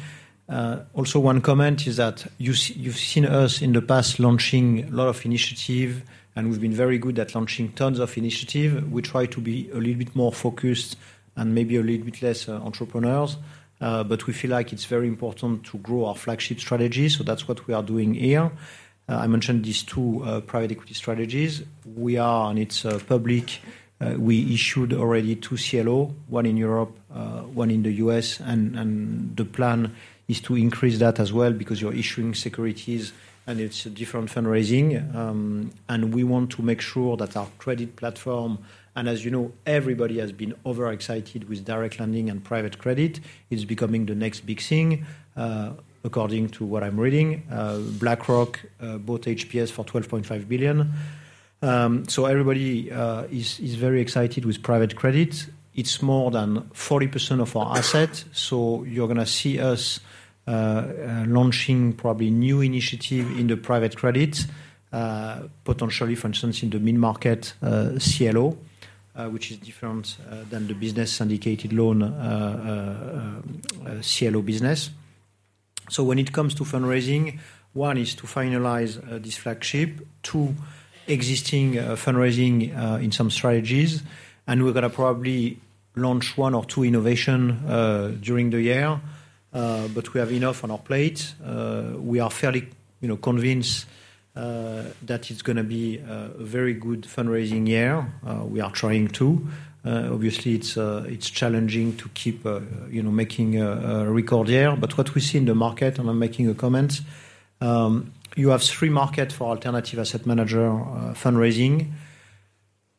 Speaker 2: Also, one comment is that you've seen us in the past launching a lot of initiatives, and we've been very good at launching tons of initiatives. We try to be a little bit more focused and maybe a little bit less entrepreneurial, but we feel like it's very important to grow our flagship strategy, so that's what we are doing here. I mentioned these two private equity strategies. We went public. We issued already two CLOs, one in Europe, one in the U.S., and the plan is to increase that as well because you're issuing securities and it's a different fundraising, and we want to make sure that our credit platform, and as you know, everybody has been overexcited with direct lending and private credit, it's becoming the next big thing, according to what I'm reading. BlackRock bought HPS for $12.5 billion, so everybody is very excited with private credit. It's more than 40% of our assets. So, you're going to see us launching probably new initiatives in the private credit, potentially, for instance, in the mid-market CLO, which is different than the broadly syndicated loan CLO business. So, when it comes to fundraising, one is to finalize this flagship, two existing fundraising in some strategies, and we're going to probably launch one or two innovations during the year, but we have enough on our plate. We are fairly convinced that it's going to be a very good fundraising year. We are trying to. Obviously, it's challenging to keep making a record year, but what we see in the market, and I'm making a comment, you have three markets for alternative asset manager fundraising.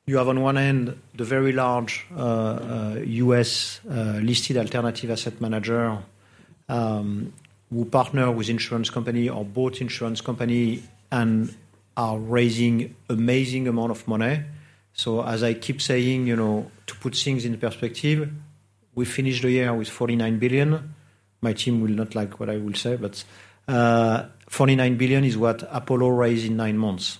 Speaker 2: You have on one end the very large U.S.-listed alternative asset manager who partners with insurance companies or bought insurance companies and are raising an amazing amount of money. As I keep saying, to put things in perspective, we finished the year with 49 billion. My team will not like what I will say, but 49 billion is what Apollo raised in nine months.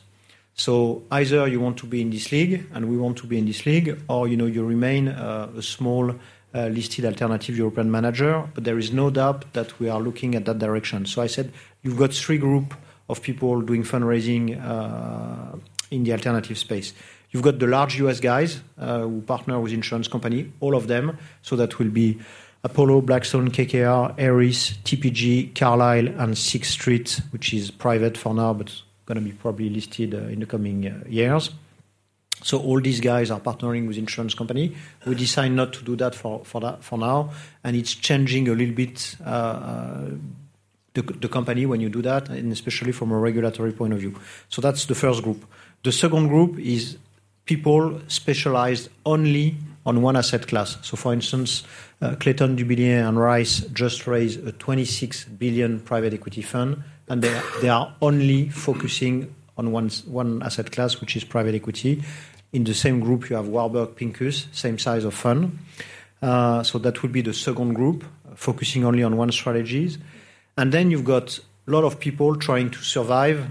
Speaker 2: Either you want to be in this league, and we want to be in this league, or you remain a small listed alternative European manager, but there is no doubt that we are looking at that direction. I said, you've got three groups of people doing fundraising in the alternative space. You've got the large U.S. guys who partner with insurance companies, all of them. That will be Apollo, Blackstone, KKR, Ares, TPG, Carlyle, and Sixth Street, which is private for now, but going to be probably listed in the coming years. All these guys are partnering with insurance companies. We decided not to do that for now, and it's changing a little bit the company when you do that, and especially from a regulatory point of view. So, that's the first group. The second group is people specialized only on one asset class. So, for instance, Clayton, Dubilier & Rice just raised a $26 billion private equity fund, and they are only focusing on one asset class, which is private equity. In the same group, you have Warburg Pincus, same size of fund. So, that would be the second group, focusing only on one strategy. And then you've got a lot of people trying to survive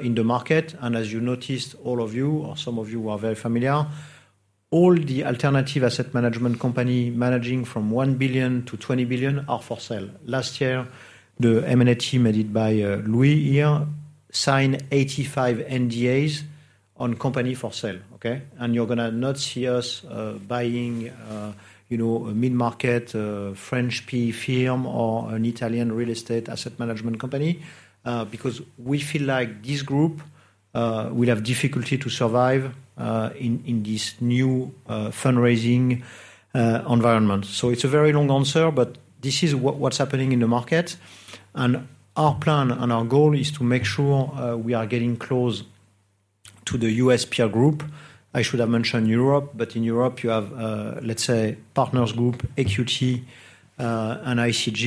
Speaker 2: in the market, and as you noticed, all of you, or some of you who are very familiar, all the alternative asset management companies managing from $1 billion-$20 billion are for sale. Last year, the M&A team headed by Louis here signed 85 NDAs on companies for sale, okay? And you're going to not see us buying a mid-market French PE firm or an Italian real estate asset management company because we feel like this group will have difficulty to survive in this new fundraising environment. So, it's a very long answer, but this is what's happening in the market. And our plan and our goal is to make sure we are getting close to the U.S. peer group. I should have mentioned Europe, but in Europe, you have, let's say, Partners Group, Equity and ICG.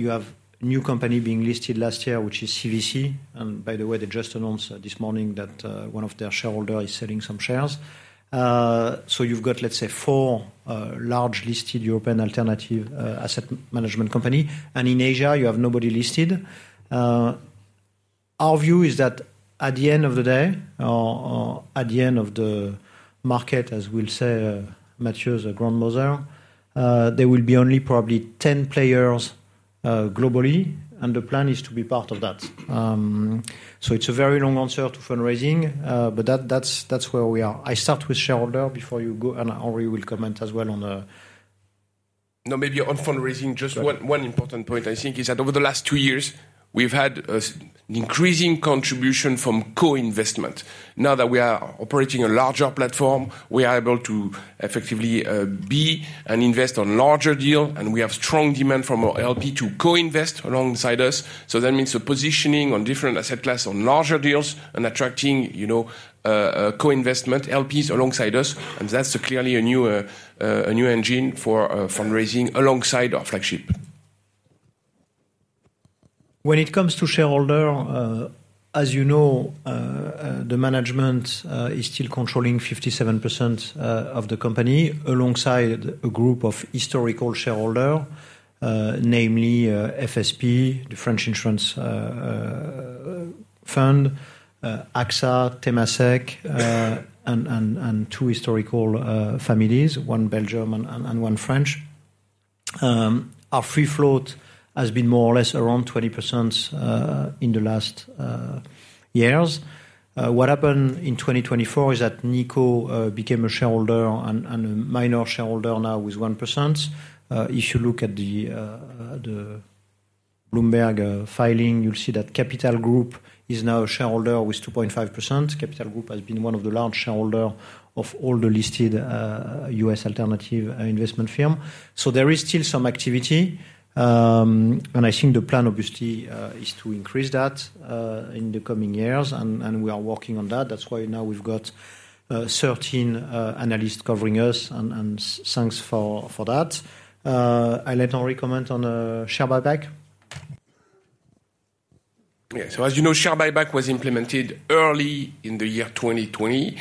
Speaker 2: You have a new company being listed last year, which is CVC. And by the way, they just announced this morning that one of their shareholders is selling some shares. So, you've got, let's say, four large listed European alternative asset management companies. And in Asia, you have nobody listed. Our view is that at the end of the day, or at the end of the market, as we'll say, Mathieu Chabran, there will be only probably 10 players globally, and the plan is to be part of that. So, it's a very long answer to fundraising, but that's where we are. I start with shareholder before you go, and Henri will comment as well on the.
Speaker 3: No, maybe on fundraising, just one important point, I think, is that over the last two years, we've had an increasing contribution from co-investment. Now that we are operating a larger platform, we are able to effectively be and invest on larger deals, and we have strong demand from our LP to co-invest alongside us. So, that means a positioning on different asset classes on larger deals and attracting co-investment LPs alongside us. And that's clearly a new engine for fundraising alongside our flagship.
Speaker 2: When it comes to shareholders, as you know, the management is still controlling 57% of the company alongside a group of historical shareholders, namely FSP, the French insurance fund, AXA, Temasek, and two historical families, one Belgian and one French. Our free float has been more or less around 20% in the last years. What happened in 2024 is that Nikko became a shareholder and a minor shareholder now with 1%. If you look at the Bloomberg filing, you'll see that Capital Group is now a shareholder with 2.5%. Capital Group has been one of the large shareholders of all the listed U.S. alternative investment firms. So, there is still some activity, and I think the plan, obviously, is to increase that in the coming years, and we are working on that. That's why now we've got 13 analysts covering us, and thanks for that. I'll let Henri comment on share buyback.
Speaker 3: Yeah, so as you know, share buyback was implemented early in the year 2020.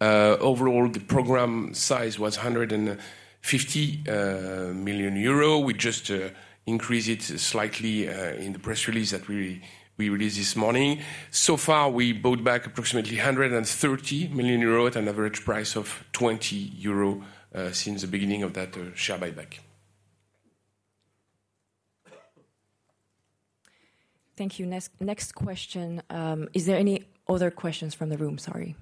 Speaker 3: Overall, the program size was 150 million euro. We just increased it slightly in the press release that we released this morning. So far, we bought back approximately 130 million euros at an average price of 20 euros since the beginning of that share buyback.
Speaker 1: Thank you. Next question. Is there any other questions from the room? Sorry.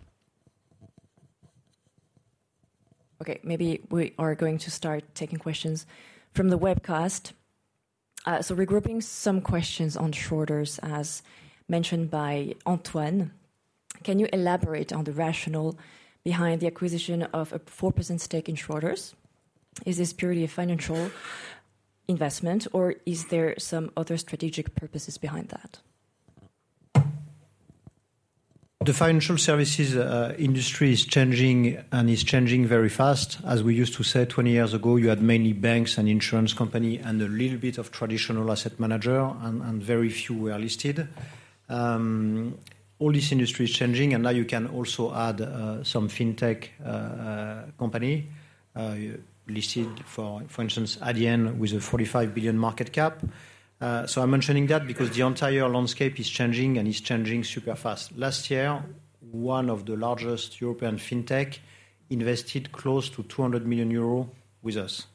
Speaker 1: Okay, maybe we are going to start taking questions from the webcast. So, regrouping some questions on Schroders, as mentioned by Antoine, can you elaborate on the rationale behind the acquisition of a 4% stake in Schroders? Is this purely a financial investment, or is there some other strategic purposes behind that?
Speaker 2: The financial services industry is changing and is changing very fast. As we used to say 20 years ago, you had mainly banks and insurance companies and a little bit of traditional asset managers, and very few were listed. All this industry is changing, and now you can also add some fintech companies listed, for instance, Adyen with a 45 billion EUR market cap. So, I'm mentioning that because the entire landscape is changing and is changing super fast. Last year, one of the largest European fintech invested close to 200 million euro with us.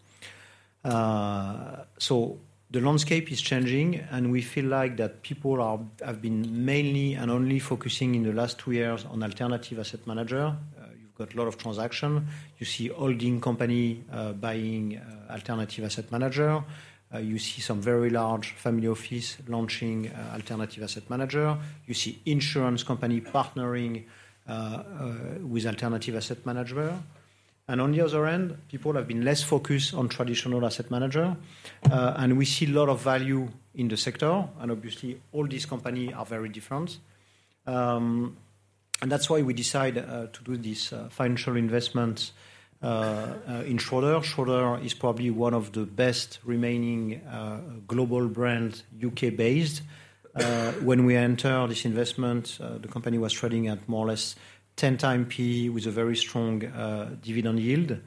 Speaker 2: So, the landscape is changing, and we feel like that people have been mainly and only focusing in the last two years on alternative asset managers. You've got a lot of transactions. You see holding companies buying alternative asset managers. You see some very large family office launching alternative asset managers. You see insurance companies partnering with alternative asset managers. And on the other end, people have been less focused on traditional asset managers, and we see a lot of value in the sector, and obviously, all these companies are very different. And that's why we decided to do this financial investment in Schroders. Schroders is probably one of the best remaining global brands, U.K.-based. When we entered this investment, the company was trading at more or less 10x PE with a very strong dividend yield.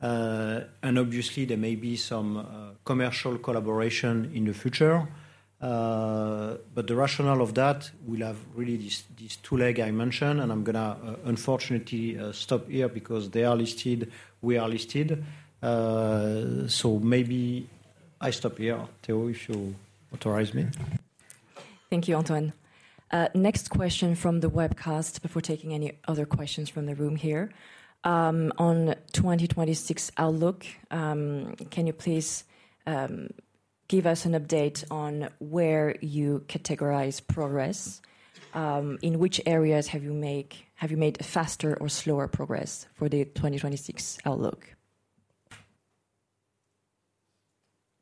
Speaker 2: And obviously, there may be some commercial collaboration in the future, but the rationale of that, we'll have really these two legs I mentioned, and I'm going to unfortunately stop here because they are listed, we are listed. So, maybe I stop here, Theo, if you authorize me.
Speaker 1: Thank you, Antoine. Next question from the webcast before taking any other questions from the room here. On 2026 outlook, can you please give us an update on where you categorize progress? In which areas have you made faster or slower progress for the 2026 outlook?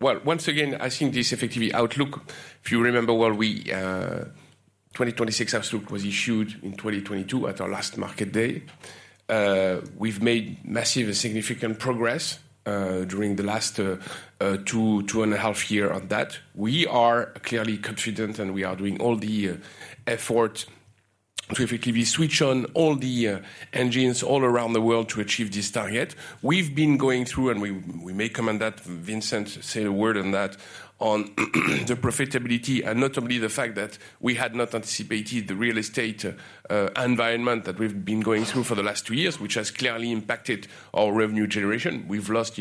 Speaker 3: Well, once again, I think this effective outlook, if you remember, 2026 outlook was issued in 2022 at our last market day. We've made massive and significant progress during the last two and a half years on that. We are clearly confident, and we are doing all the effort to effectively switch on all the engines all around the world to achieve this target. We've been going through, and we may comment on that, Vincent, say a word on that, on the profitability, and notably the fact that we had not anticipated the real estate environment that we've been going through for the last two years, which has clearly impacted our revenue generation. We've lost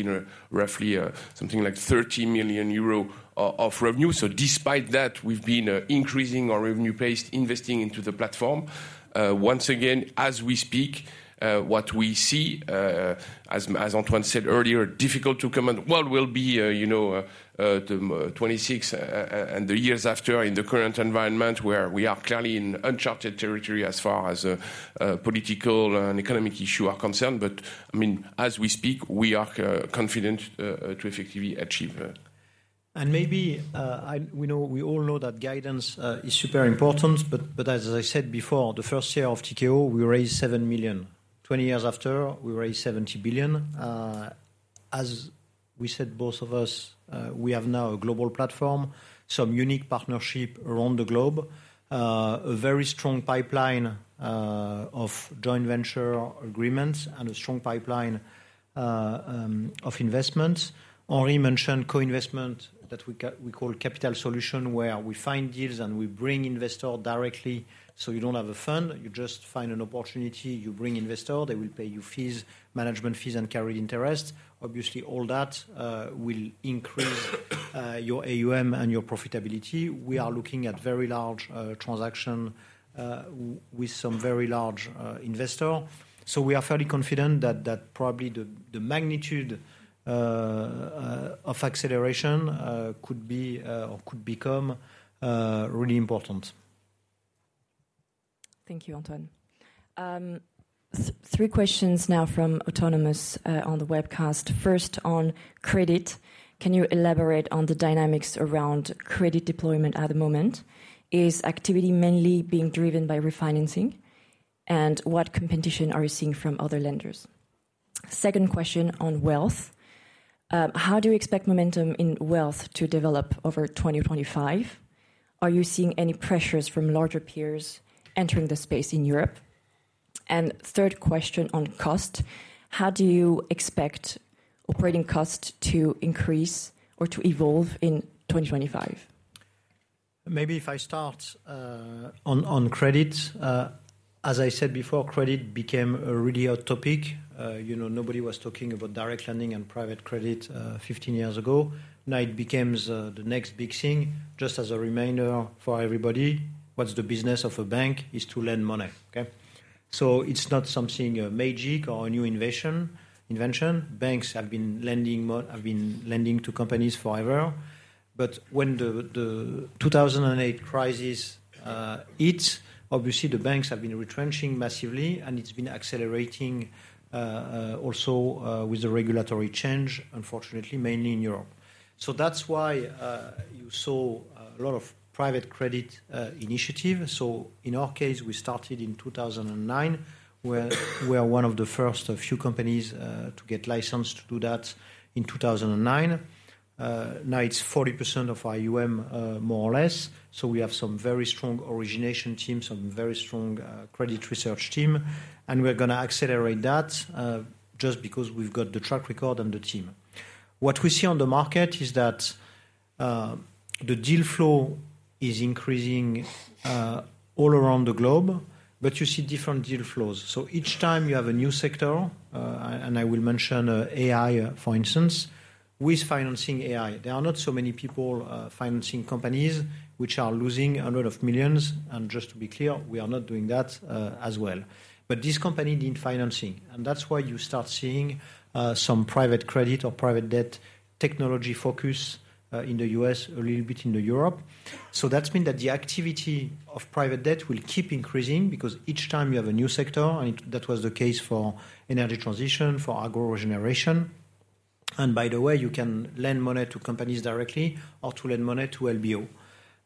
Speaker 3: roughly something like 30 million euro of revenue. So, despite that, we've been increasing our revenue-based investing into the platform. Once again, as we speak, what we see, as Antoine said earlier, difficult to comment, well, we'll be the 26th and the years after in the current environment where we are clearly in uncharted territory as far as political and economic issues are concerned. But I mean, as we speak, we are confident to effectively achieve.
Speaker 2: Maybe we all know that guidance is super important, but as I said before, the first year of Tikehau, we raised 7 million. 20 years after, we raised 70 billion. As we said, both of us, we have now a global platform, some unique partnerships around the globe, a very strong pipeline of joint venture agreements, and a strong pipeline of investments. Henri mentioned co-investment that we call Capital Solutions, where we find deals and we bring investors directly. So, you don't have a fund, you just find an opportunity, you bring investors, they will pay you fees, management fees, and carried interest. Obviously, all that will increase your AUM and your profitability. We are looking at very large transactions with some very large investors. So, we are fairly confident that probably the magnitude of acceleration could be or could become really important.
Speaker 1: Thank you, Antoine. Three questions now from the audience on the webcast. First, on credit, can you elaborate on the dynamics around credit deployment at the moment? Is activity mainly being driven by refinancing? And what competition are you seeing from other lenders? Second question on wealth. How do you expect momentum in wealth to develop over 2025? Are you seeing any pressures from larger peers entering the space in Europe? And third question on cost. How do you expect operating costs to increase or to evolve in 2025?
Speaker 2: Maybe if I start on credit, as I said before, credit became a really hot topic. Nobody was talking about direct lending and private credit 15 years ago. Now it becomes the next big thing, just as a reminder for everybody, what's the business of a bank is to lend money, okay? So, it's not something magic or a new invention. Banks have been lending to companies forever. But when the 2008 crisis hit, obviously, the banks have been retrenching massively, and it's been accelerating also with the regulatory change, unfortunately, mainly in Europe. So, that's why you saw a lot of private credit initiatives. So, in our case, we started in 2009. We were one of the first few companies to get licensed to do that in 2009. Now it's 40% of our AUM, more or less. So, we have some very strong origination teams, some very strong credit research teams, and we're going to accelerate that just because we've got the track record and the team. What we see on the market is that the deal flow is increasing all around the globe, but you see different deal flows. So, each time you have a new sector, and I will mention AI, for instance, with financing AI, there are not so many people financing companies which are losing a hundred of millions. And just to be clear, we are not doing that as well. But this company did financing, and that's why you start seeing some private credit or private debt technology focus in the U.S., a little bit in Europe. So, that means that the activity of private debt will keep increasing because each time you have a new sector, and that was the case for energy transition, for regenerative agriculture. And by the way, you can lend money to companies directly or to lend money to LBO.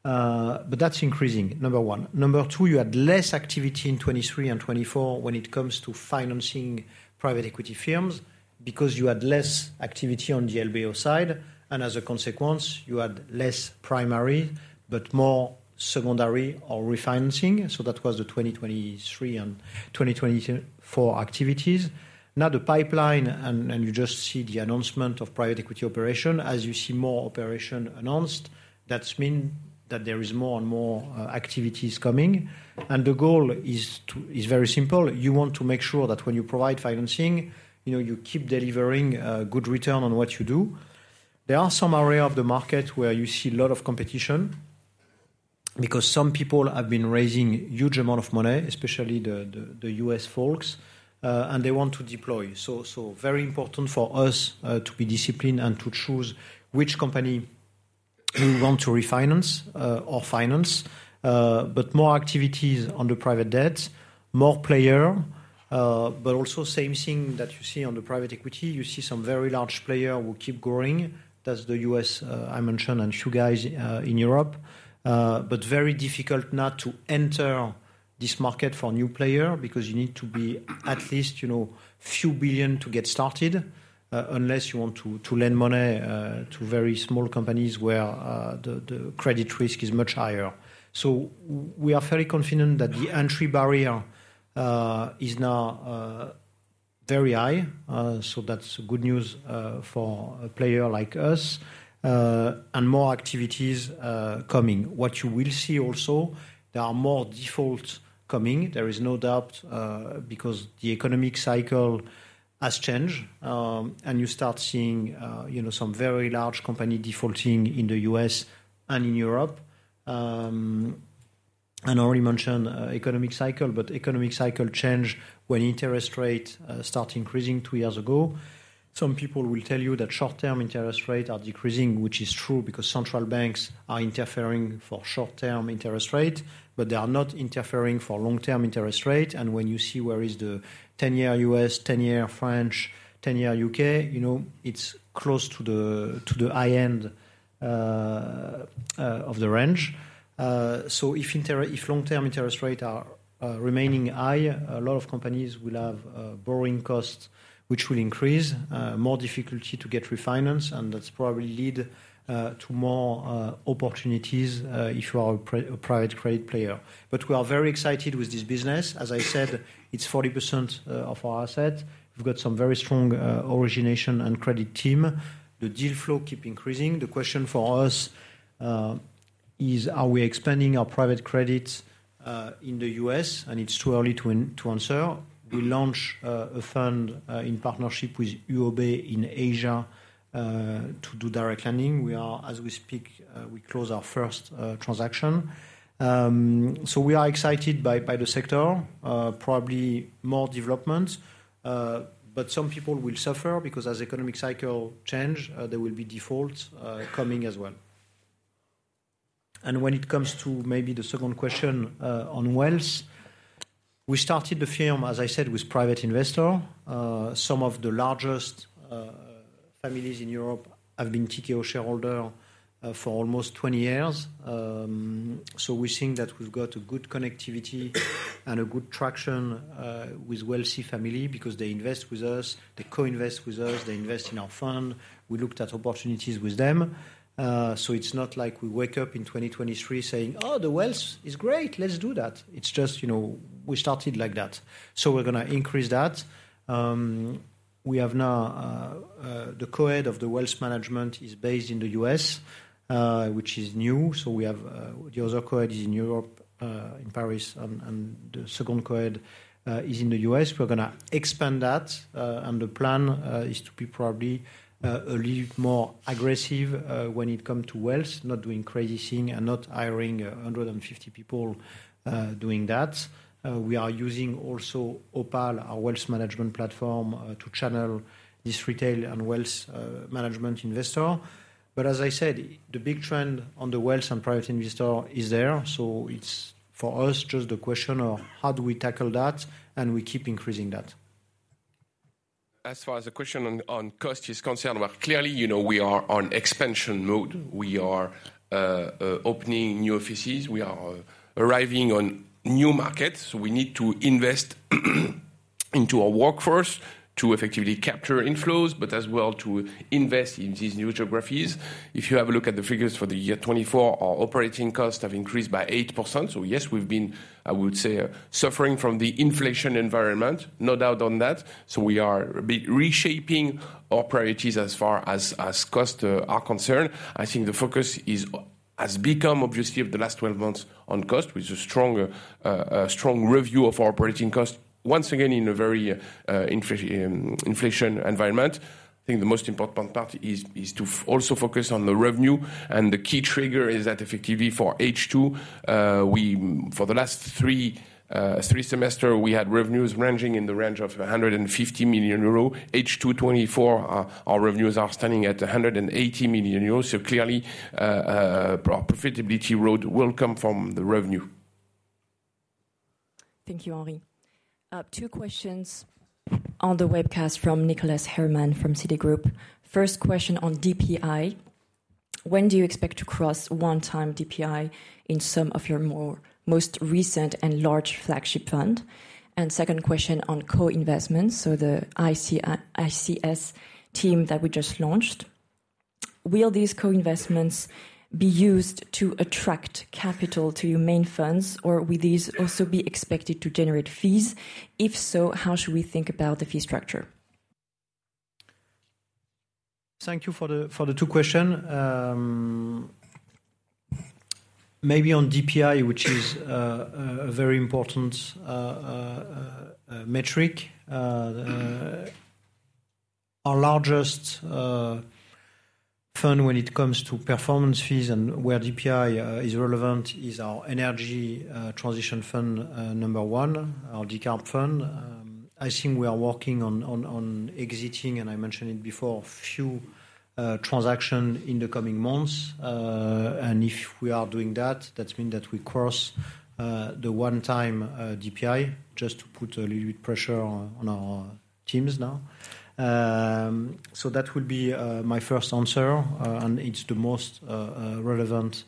Speaker 2: But that's increasing, number one. Number two, you had less activity in 2023 and 2024 when it comes to financing private equity firms because you had less activity on the LBO side, and as a consequence, you had less primary but more secondary or refinancing, so that was the 2023 and 2024 activities. Now the pipeline, and you just see the announcement of private equity operation, as you see more operations announced, that means that there are more and more activities coming, and the goal is very simple. You want to make sure that when you provide financing, you keep delivering a good return on what you do. There are some areas of the market where you see a lot of competition because some people have been raising a huge amount of money, especially the U.S. folks, and they want to deploy. So, very important for us to be disciplined and to choose which company we want to refinance or finance. But more activities on the private debt, more players, but also same thing that you see on the private equity. You see some very large players who keep growing. That's the U.S., I mentioned, and you guys in Europe. But very difficult not to enter this market for new players because you need to be at least a few billion to get started unless you want to lend money to very small companies where the credit risk is much higher. So, we are fairly confident that the entry barrier is now very high. So, that's good news for a player like us and more activities coming. What you will see also, there are more defaults coming. There is no doubt because the economic cycle has changed, and you start seeing some very large companies defaulting in the U.S. and in Europe. And I already mentioned economic cycle, but economic cycle changed when interest rates started increasing two years ago. Some people will tell you that short-term interest rates are decreasing, which is true because central banks are interfering for short-term interest rates, but they are not interfering for long-term interest rates. And when you see where is the 10-year U.S., 10-year French, 10-year U.K., it's close to the high end of the range. So, if long-term interest rates are remaining high, a lot of companies will have borrowing costs, which will increase, more difficulty to get refinanced, and that's probably leads to more opportunities if you are a private credit player. But we are very excited with this business. As I said, it's 40% of our assets. We've got some very strong origination and credit team. The deal flow keeps increasing. The question for us is, are we expanding our private credit in the U.S.? And it's too early to answer. We launched a fund in partnership with UOB in Asia to do direct lending. As we speak, we closed our first transaction. So, we are excited by the sector, probably more developments, but some people will suffer because as economic cycles change, there will be defaults coming as well. And when it comes to maybe the second question on wealth, we started the firm, as I said, with private investors. Some of the largest families in Europe have been Tikehau shareholders for almost 20 years. So, we think that we've got a good connectivity and a good traction with wealthy families because they invest with us, they co-invest with us, they invest in our fund. We looked at opportunities with them. So, it's not like we wake up in 2023 saying, "Oh, the wealth is great, let's do that." It's just we started like that. So, we're going to increase that. We have now the co-head of the wealth management is based in the U.S., which is new. So, we have the other co-head is in Europe, in Paris, and the second co-head is in the U.S. We're going to expand that, and the plan is to be probably a little more aggressive when it comes to wealth, not doing crazy things and not hiring 150 people doing that. We are using also Opale, our wealth management platform, to channel this retail and wealth management investor, but as I said, the big trend on the wealth and private investor is there, so it's for us just a question of how do we tackle that, and we keep increasing that.
Speaker 3: As far as the question on cost is concerned, well, clearly we are on expansion mode. We are opening new offices. We are arriving on new markets, so we need to invest into our workforce to effectively capture inflows, but as well to invest in these new geographies. If you have a look at the figures for the year 2024, our operating costs have increased by 8%, so yes, we've been, I would say, suffering from the inflation environment, no doubt on that, so we are reshaping our priorities as far as costs are concerned. I think the focus has become, obviously, over the last 12 months on costs, with a strong review of our operating costs, once again in a very inflationary environment. I think the most important part is to also focus on the revenue. And the key trigger is that effectively for H2, for the last three semesters, we had revenues ranging in the range of 150 million euros. H2 24, our revenues are standing at 180 million euros. So, clearly, our profitability road will come from the revenue.
Speaker 1: Thank you, Henri. Two questions on the webcast from Nicholas Herman from Citi. First question on DPI. When do you expect to cross 1x DPI in some of your most recent and large flagship fund? And second question on co-investments, so the ICS team that we just launched. Will these co-investments be used to attract capital to your main funds, or will these also be expected to generate fees? If so, how should we think about the fee structure?
Speaker 2: Thank you for the two questions. Maybe on DPI, which is a very important metric. Our largest fund when it comes to performance fees and where DPI is relevant is our energy transition fund number one, our decarb fund. I think we are working on exiting, and I mentioned it before, a few transactions in the coming months. And if we are doing that, that means that we cross the 1x DPI, just to put a little bit of pressure on our teams now. So, that will be my first answer. And it's the most relevant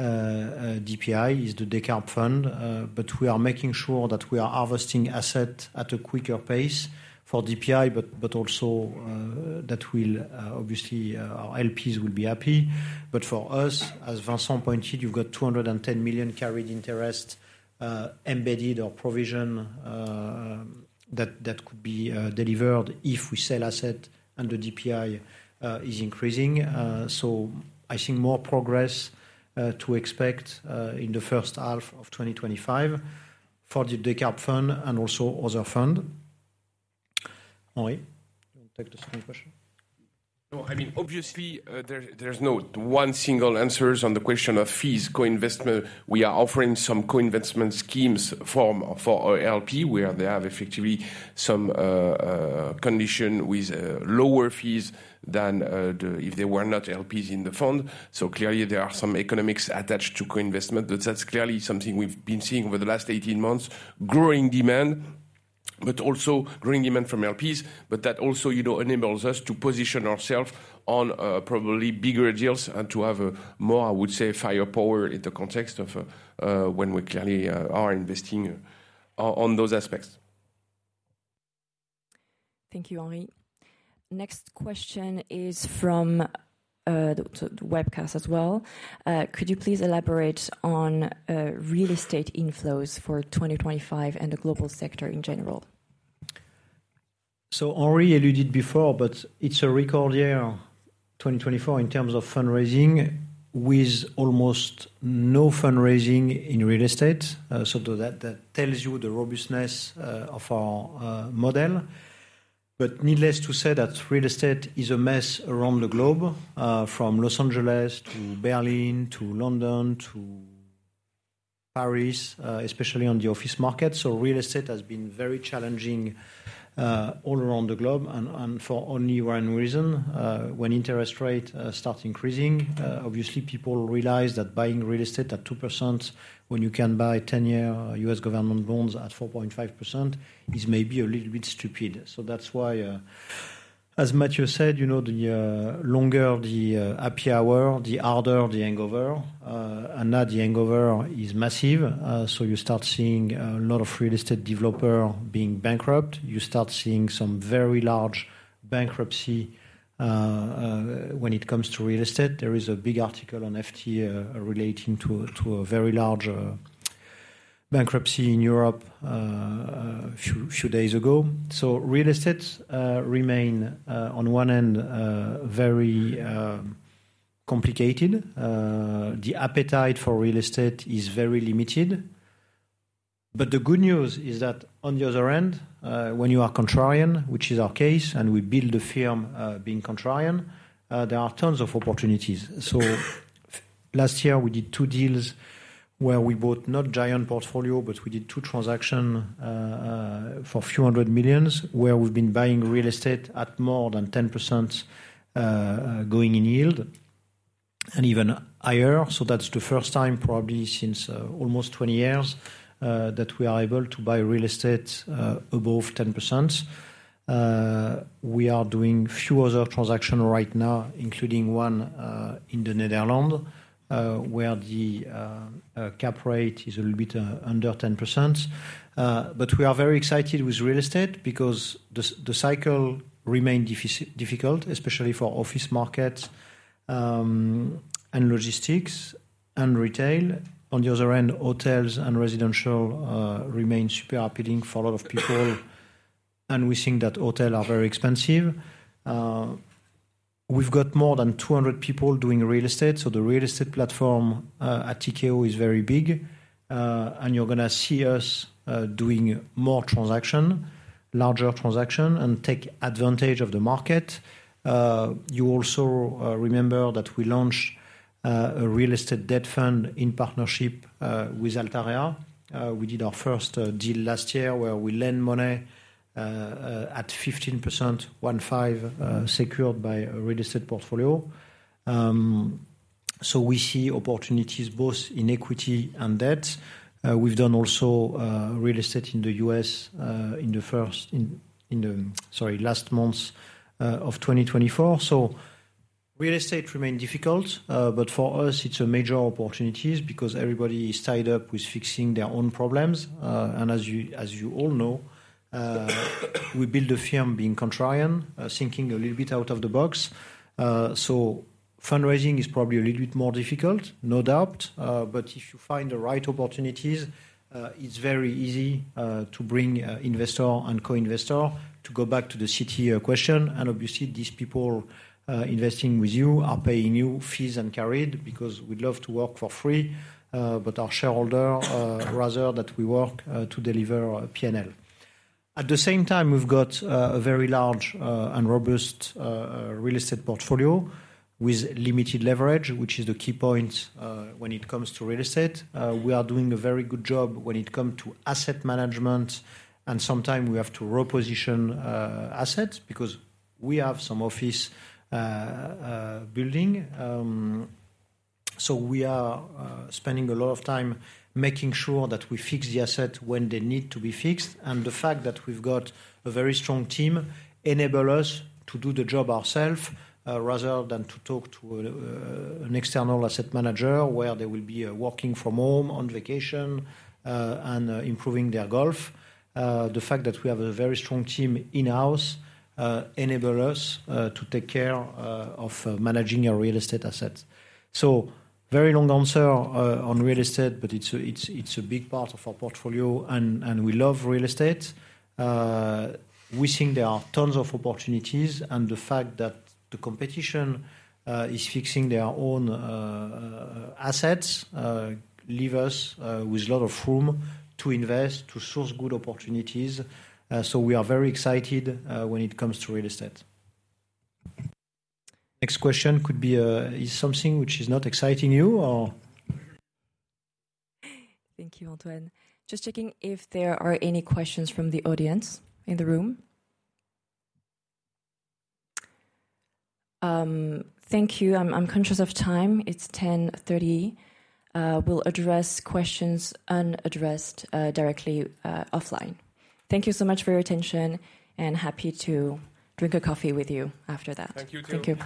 Speaker 2: DPI, is the decarb fund. But we are making sure that we are harvesting assets at a quicker pace for DPI, but also that obviously our LPs will be happy. But for us, as Vincent pointed out, you've got 210 million carried interest embedded or provision that could be delivered if we sell assets and the DPI is increasing. So, I think more progress to expect in the first half of 2025 for the decarb fund and also other funds. Henri, you'll take the second question.
Speaker 3: I mean, obviously, there's no one single answer on the question of fees, co-investment. We are offering some co-investment schemes for LPs where they have effectively some condition with lower fees than if there were not LPs in the fund. So, clearly, there are some economics attached to co-investment, but that's clearly something we've been seeing over the last 18 months, growing demand, but also growing demand from LPs. But that also enables us to position ourselves on probably bigger deals and to have more, I would say, firepower in the context of when we clearly are investing on those aspects.
Speaker 1: Thank you, Henri. Next question is from the webcast as well. Could you please elaborate on real estate inflows for 2025 and the global sector in general?
Speaker 2: So, Henri alluded before, but it's a record year 2024 in terms of fundraising with almost no fundraising in real estate. So, that tells you the robustness of our model. But needless to say, that real estate is a mess around the globe, from Los Angeles to Berlin to London to Paris, especially on the office market. So, real estate has been very challenging all around the globe and for only one reason. When interest rates start increasing, obviously, people realize that buying real estate at 2% when you can buy 10-year U.S. government bonds at 4.5% is maybe a little bit stupid. So, that's why, as Mathieu said, the longer the happy hour, the harder the hangover. And now the hangover is massive. So, you start seeing a lot of real estate developers being bankrupt. You start seeing some very large bankruptcy when it comes to real estate. There is a big article on FT relating to a very large bankruptcy in Europe a few days ago. So, real estate remains on one end very complicated. The appetite for real estate is very limited. But the good news is that on the other end, when you are contrarian, which is our case, and we build a firm being contrarian, there are tons of opportunities. Last year, we did two deals where we bought not giant portfolios, but we did two transactions for a few hundred million where we've been buying real estate at more than 10% going in yield and even higher. That's the first time probably since almost 20 years that we are able to buy real estate above 10%. We are doing a few other transactions right now, including one in the Netherlands where the cap rate is a little bit under 10%. But we are very excited with real estate because the cycle remains difficult, especially for office markets and logistics and retail. On the other end, hotels and residential remain super appealing for a lot of people, and we think that hotels are very expensive. We've got more than 200 people doing real estate. So, the real estate platform at Tikehau is very big, and you're going to see us doing more transactions, larger transactions, and take advantage of the market. You also remember that we launched a real estate debt fund in partnership with Altarea. We did our first deal last year where we lent money at 15%, 1.5% secured by a real estate portfolio. So, we see opportunities both in equity and debt. We've done also real estate in the U.S. in the first, sorry, last months of 2024. So, real estate remains difficult, but for us, it's a major opportunity because everybody is tied up with fixing their own problems. And as you all know, we built a firm being contrarian, thinking a little bit out of the box. So, fundraising is probably a little bit more difficult, no doubt. But if you find the right opportunities, it's very easy to bring investors and co-investors to go back to the CTO question. And obviously, these people investing with you are paying you fees and carried because we'd love to work for free, but our shareholders rather that we work to deliver P&L. At the same time, we've got a very large and robust real estate portfolio with limited leverage, which is the key point when it comes to real estate. We are doing a very good job when it comes to asset management, and sometimes we have to reposition assets because we have some office building. So, we are spending a lot of time making sure that we fix the assets when they need to be fixed. And the fact that we've got a very strong team enables us to do the job ourselves rather than to talk to an external asset manager where they will be working from home, on vacation, and improving their golf. The fact that we have a very strong team in-house enables us to take care of managing our real estate assets. So, very long answer on real estate, but it's a big part of our portfolio, and we love real estate. We think there are tons of opportunities, and the fact that the competition is fixing their own assets leaves us with a lot of room to invest, to source good opportunities. So, we are very excited when it comes to real estate. Next question could be something which is not exciting you or.
Speaker 1: Thank you, Antoine. Just checking if there are any questions from the audience in the room. Thank you. I'm conscious of time. It's 10:30 A.M. We'll address questions unaddressed directly offline. Thank you so much for your attention, and happy to drink a coffee with you after that. Thank you.